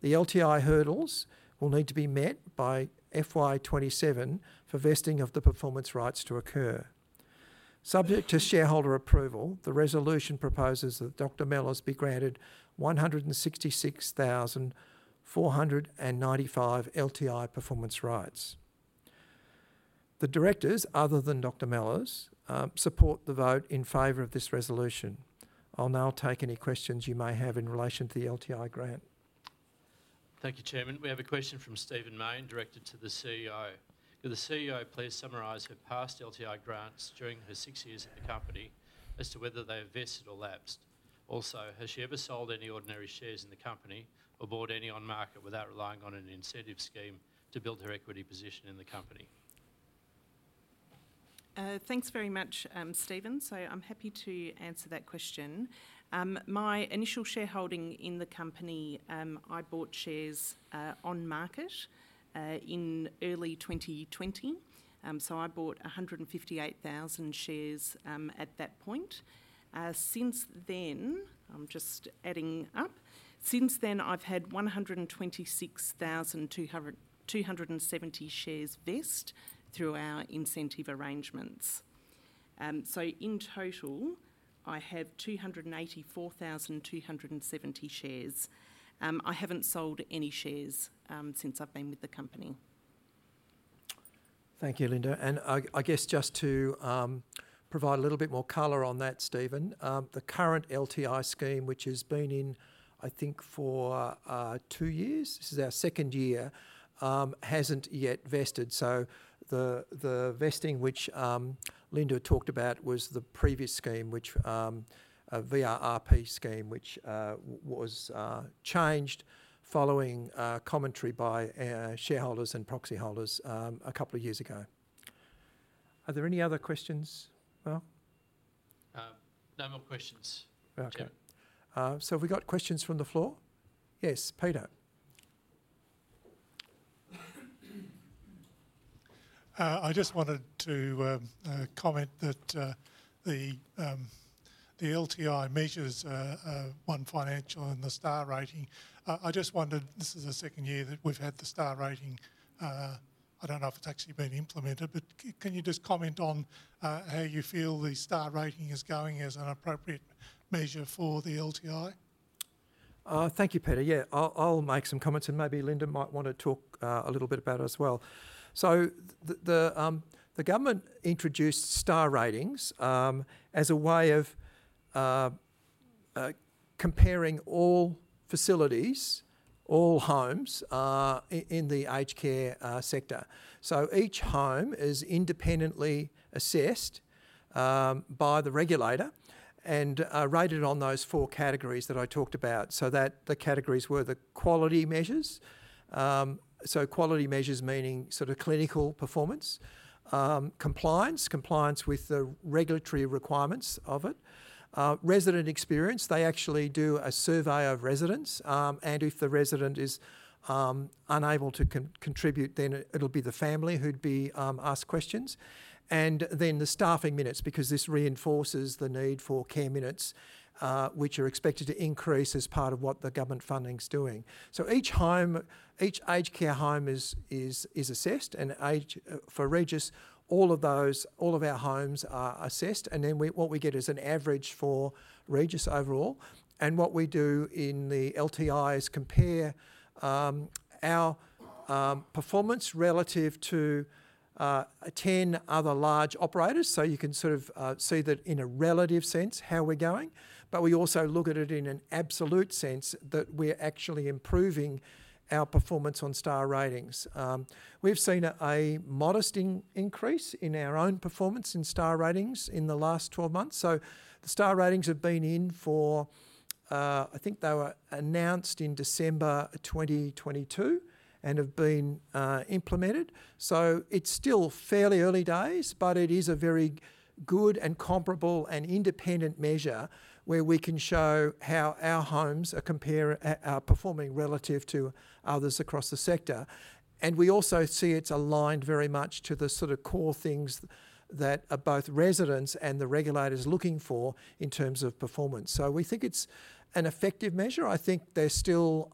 The LTI hurdles will need to be met by FY2027 for vesting of the performance rights to occur. Subject to shareholder approval, the resolution proposes that Dr. Mellors be granted 166,495 LTI performance rights. The directors, other than Dr. Mellors, support the vote in favour of this resolution. I'll now take any questions you may have in relation to the LTI grant. Thank you, Chairman. We have a question from Stephen Mayne, directed to the CEO. Could the CEO please summarize her past LTI grants during her six years at the company as to whether they have vested or lapsed? Also, has she ever sold any ordinary shares in the company or bought any on market without relying on an incentive scheme to build her equity position in the company? Thanks very much, Stephen. So I'm happy to answer that question. My initial shareholding in the company, I bought shares on market in early 2020. So I bought 158,000 shares at that point. Since then, I'm just adding up, since then, I've had 126,270 shares vest through our incentive arrangements. So in total, I have 284,270 shares. I haven't sold any shares since I've been with the company. Thank you, Linda. And I guess just to provide a little bit more color on that, Stephen, the current LTI scheme, which has been in, I think, for two years, this is our second year, hasn't yet vested. So the vesting which Linda talked about was the previous scheme, which VRP scheme, which was changed following commentary by shareholders and proxy holders a couple of years ago. Are there any other questions? No more questions. So have we got questions from the floor? Yes, Peter. I just wanted to comment that the LTI measures, one financial and the star rating. I just wondered, this is the second year that we've had the star rating. I don't know if it's actually been implemented, but can you just comment on how you feel the star rating is going as an appropriate measure for the LTI? Thank you, Peter. Yeah, I'll make some comments and maybe Linda might want to talk a little bit about it as well. So the government introduced star ratings as a way of comparing all facilities, all homes in the aged care sector. So each home is independently assessed by the regulator and rated on those four categories that I talked about. So the categories were the quality measures. So quality measures meaning sort of clinical performance, compliance, compliance with the regulatory requirements of it, resident experience. They actually do a survey of residents. And if the resident is unable to contribute, then it'll be the family who'd be asked questions. And then the staffing minutes, because this reinforces the need for care minutes, which are expected to increase as part of what the government funding's doing. So each aged care home is assessed. And for Regis, all of our homes are assessed. And then what we get is an average for Regis overall. And what we do in the LTI is compare our performance relative to 10 other large operators. So you can sort of see that in a relative sense how we're going. But we also look at it in an absolute sense that we're actually improving our performance on Star Ratings. We've seen a modest increase in our own performance in Star Ratings in the last 12 months. So the Star Ratings have been in for, I think they were announced in December 2022 and have been implemented. So it's still fairly early days, but it is a very good and comparable and independent measure where we can show how our homes are performing relative to others across the sector. And we also see it's aligned very much to the sort of core things that are both residents and the regulators looking for in terms of performance. So we think it's an effective measure. I think they're still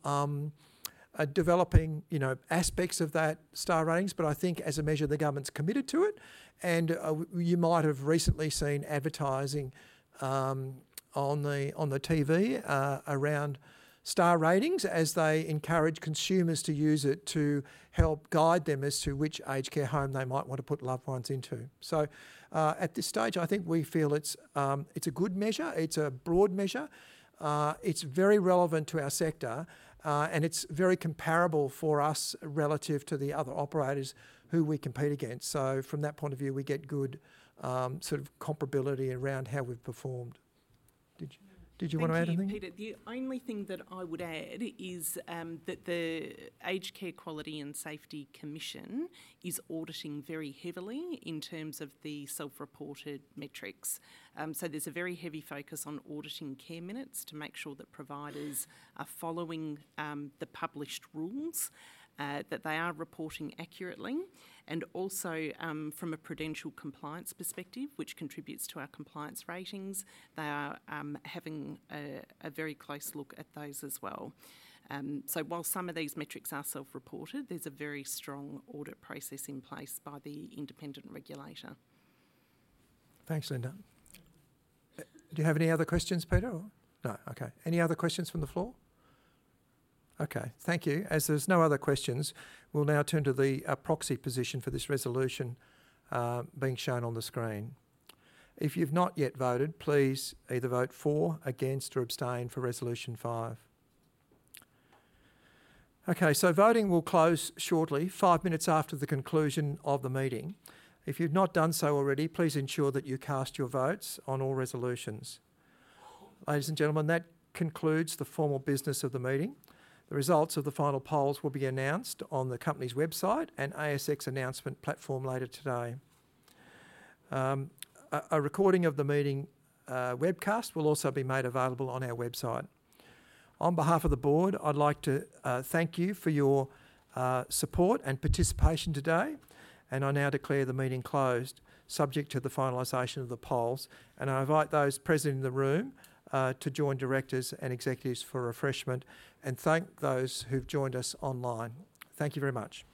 developing aspects of that Star Ratings, but I think as a measure, the government's committed to it. And you might have recently seen advertising on the TV around Star Ratings as they encourage consumers to use it to help guide them as to which aged care home they might want to put loved ones into. So at this stage, I think we feel it's a good measure. It's a broad measure. It's very relevant to our sector. And it's very comparable for us relative to the other operators who we compete against. So from that point of view, we get good sort of comparability around how we've performed. Did you want to add anything? Peter, the only thing that I would add is that the Aged Care Quality and Safety Commission is auditing very heavily in terms of the self-reported metrics. So there's a very heavy focus on auditing Care Minutes to make sure that providers are following the published rules, that they are reporting accurately. And also from a prudential compliance perspective, which contributes to our compliance ratings, they are having a very close look at those as well. So while some of these metrics are self-reported, there's a very strong audit process in place by the independent regulator. Thanks, Linda. Do you have any other questions, Peter? No. Okay. Any other questions from the floor? Okay. Thank you. As there's no other questions, we'll now turn to the proxy position for this resolution being shown on the screen. If you've not yet voted, please either vote for, against, or abstain for resolution five. Okay. So voting will close shortly, five minutes after the conclusion of the meeting. If you've not done so already, please ensure that you cast your votes on all resolutions. Ladies and gentlemen, that concludes the formal business of the meeting. The results of the final polls will be announced on the company's website and ASX announcement platform later today. A recording of the meeting webcast will also be made available on our website. On behalf of the board, I'd like to thank you for your support and participation today. And I now declare the meeting closed, subject to the finalization of the polls. And I invite those present in the room to join directors and executives for a refreshment and thank those who've joined us online. Thank you very much.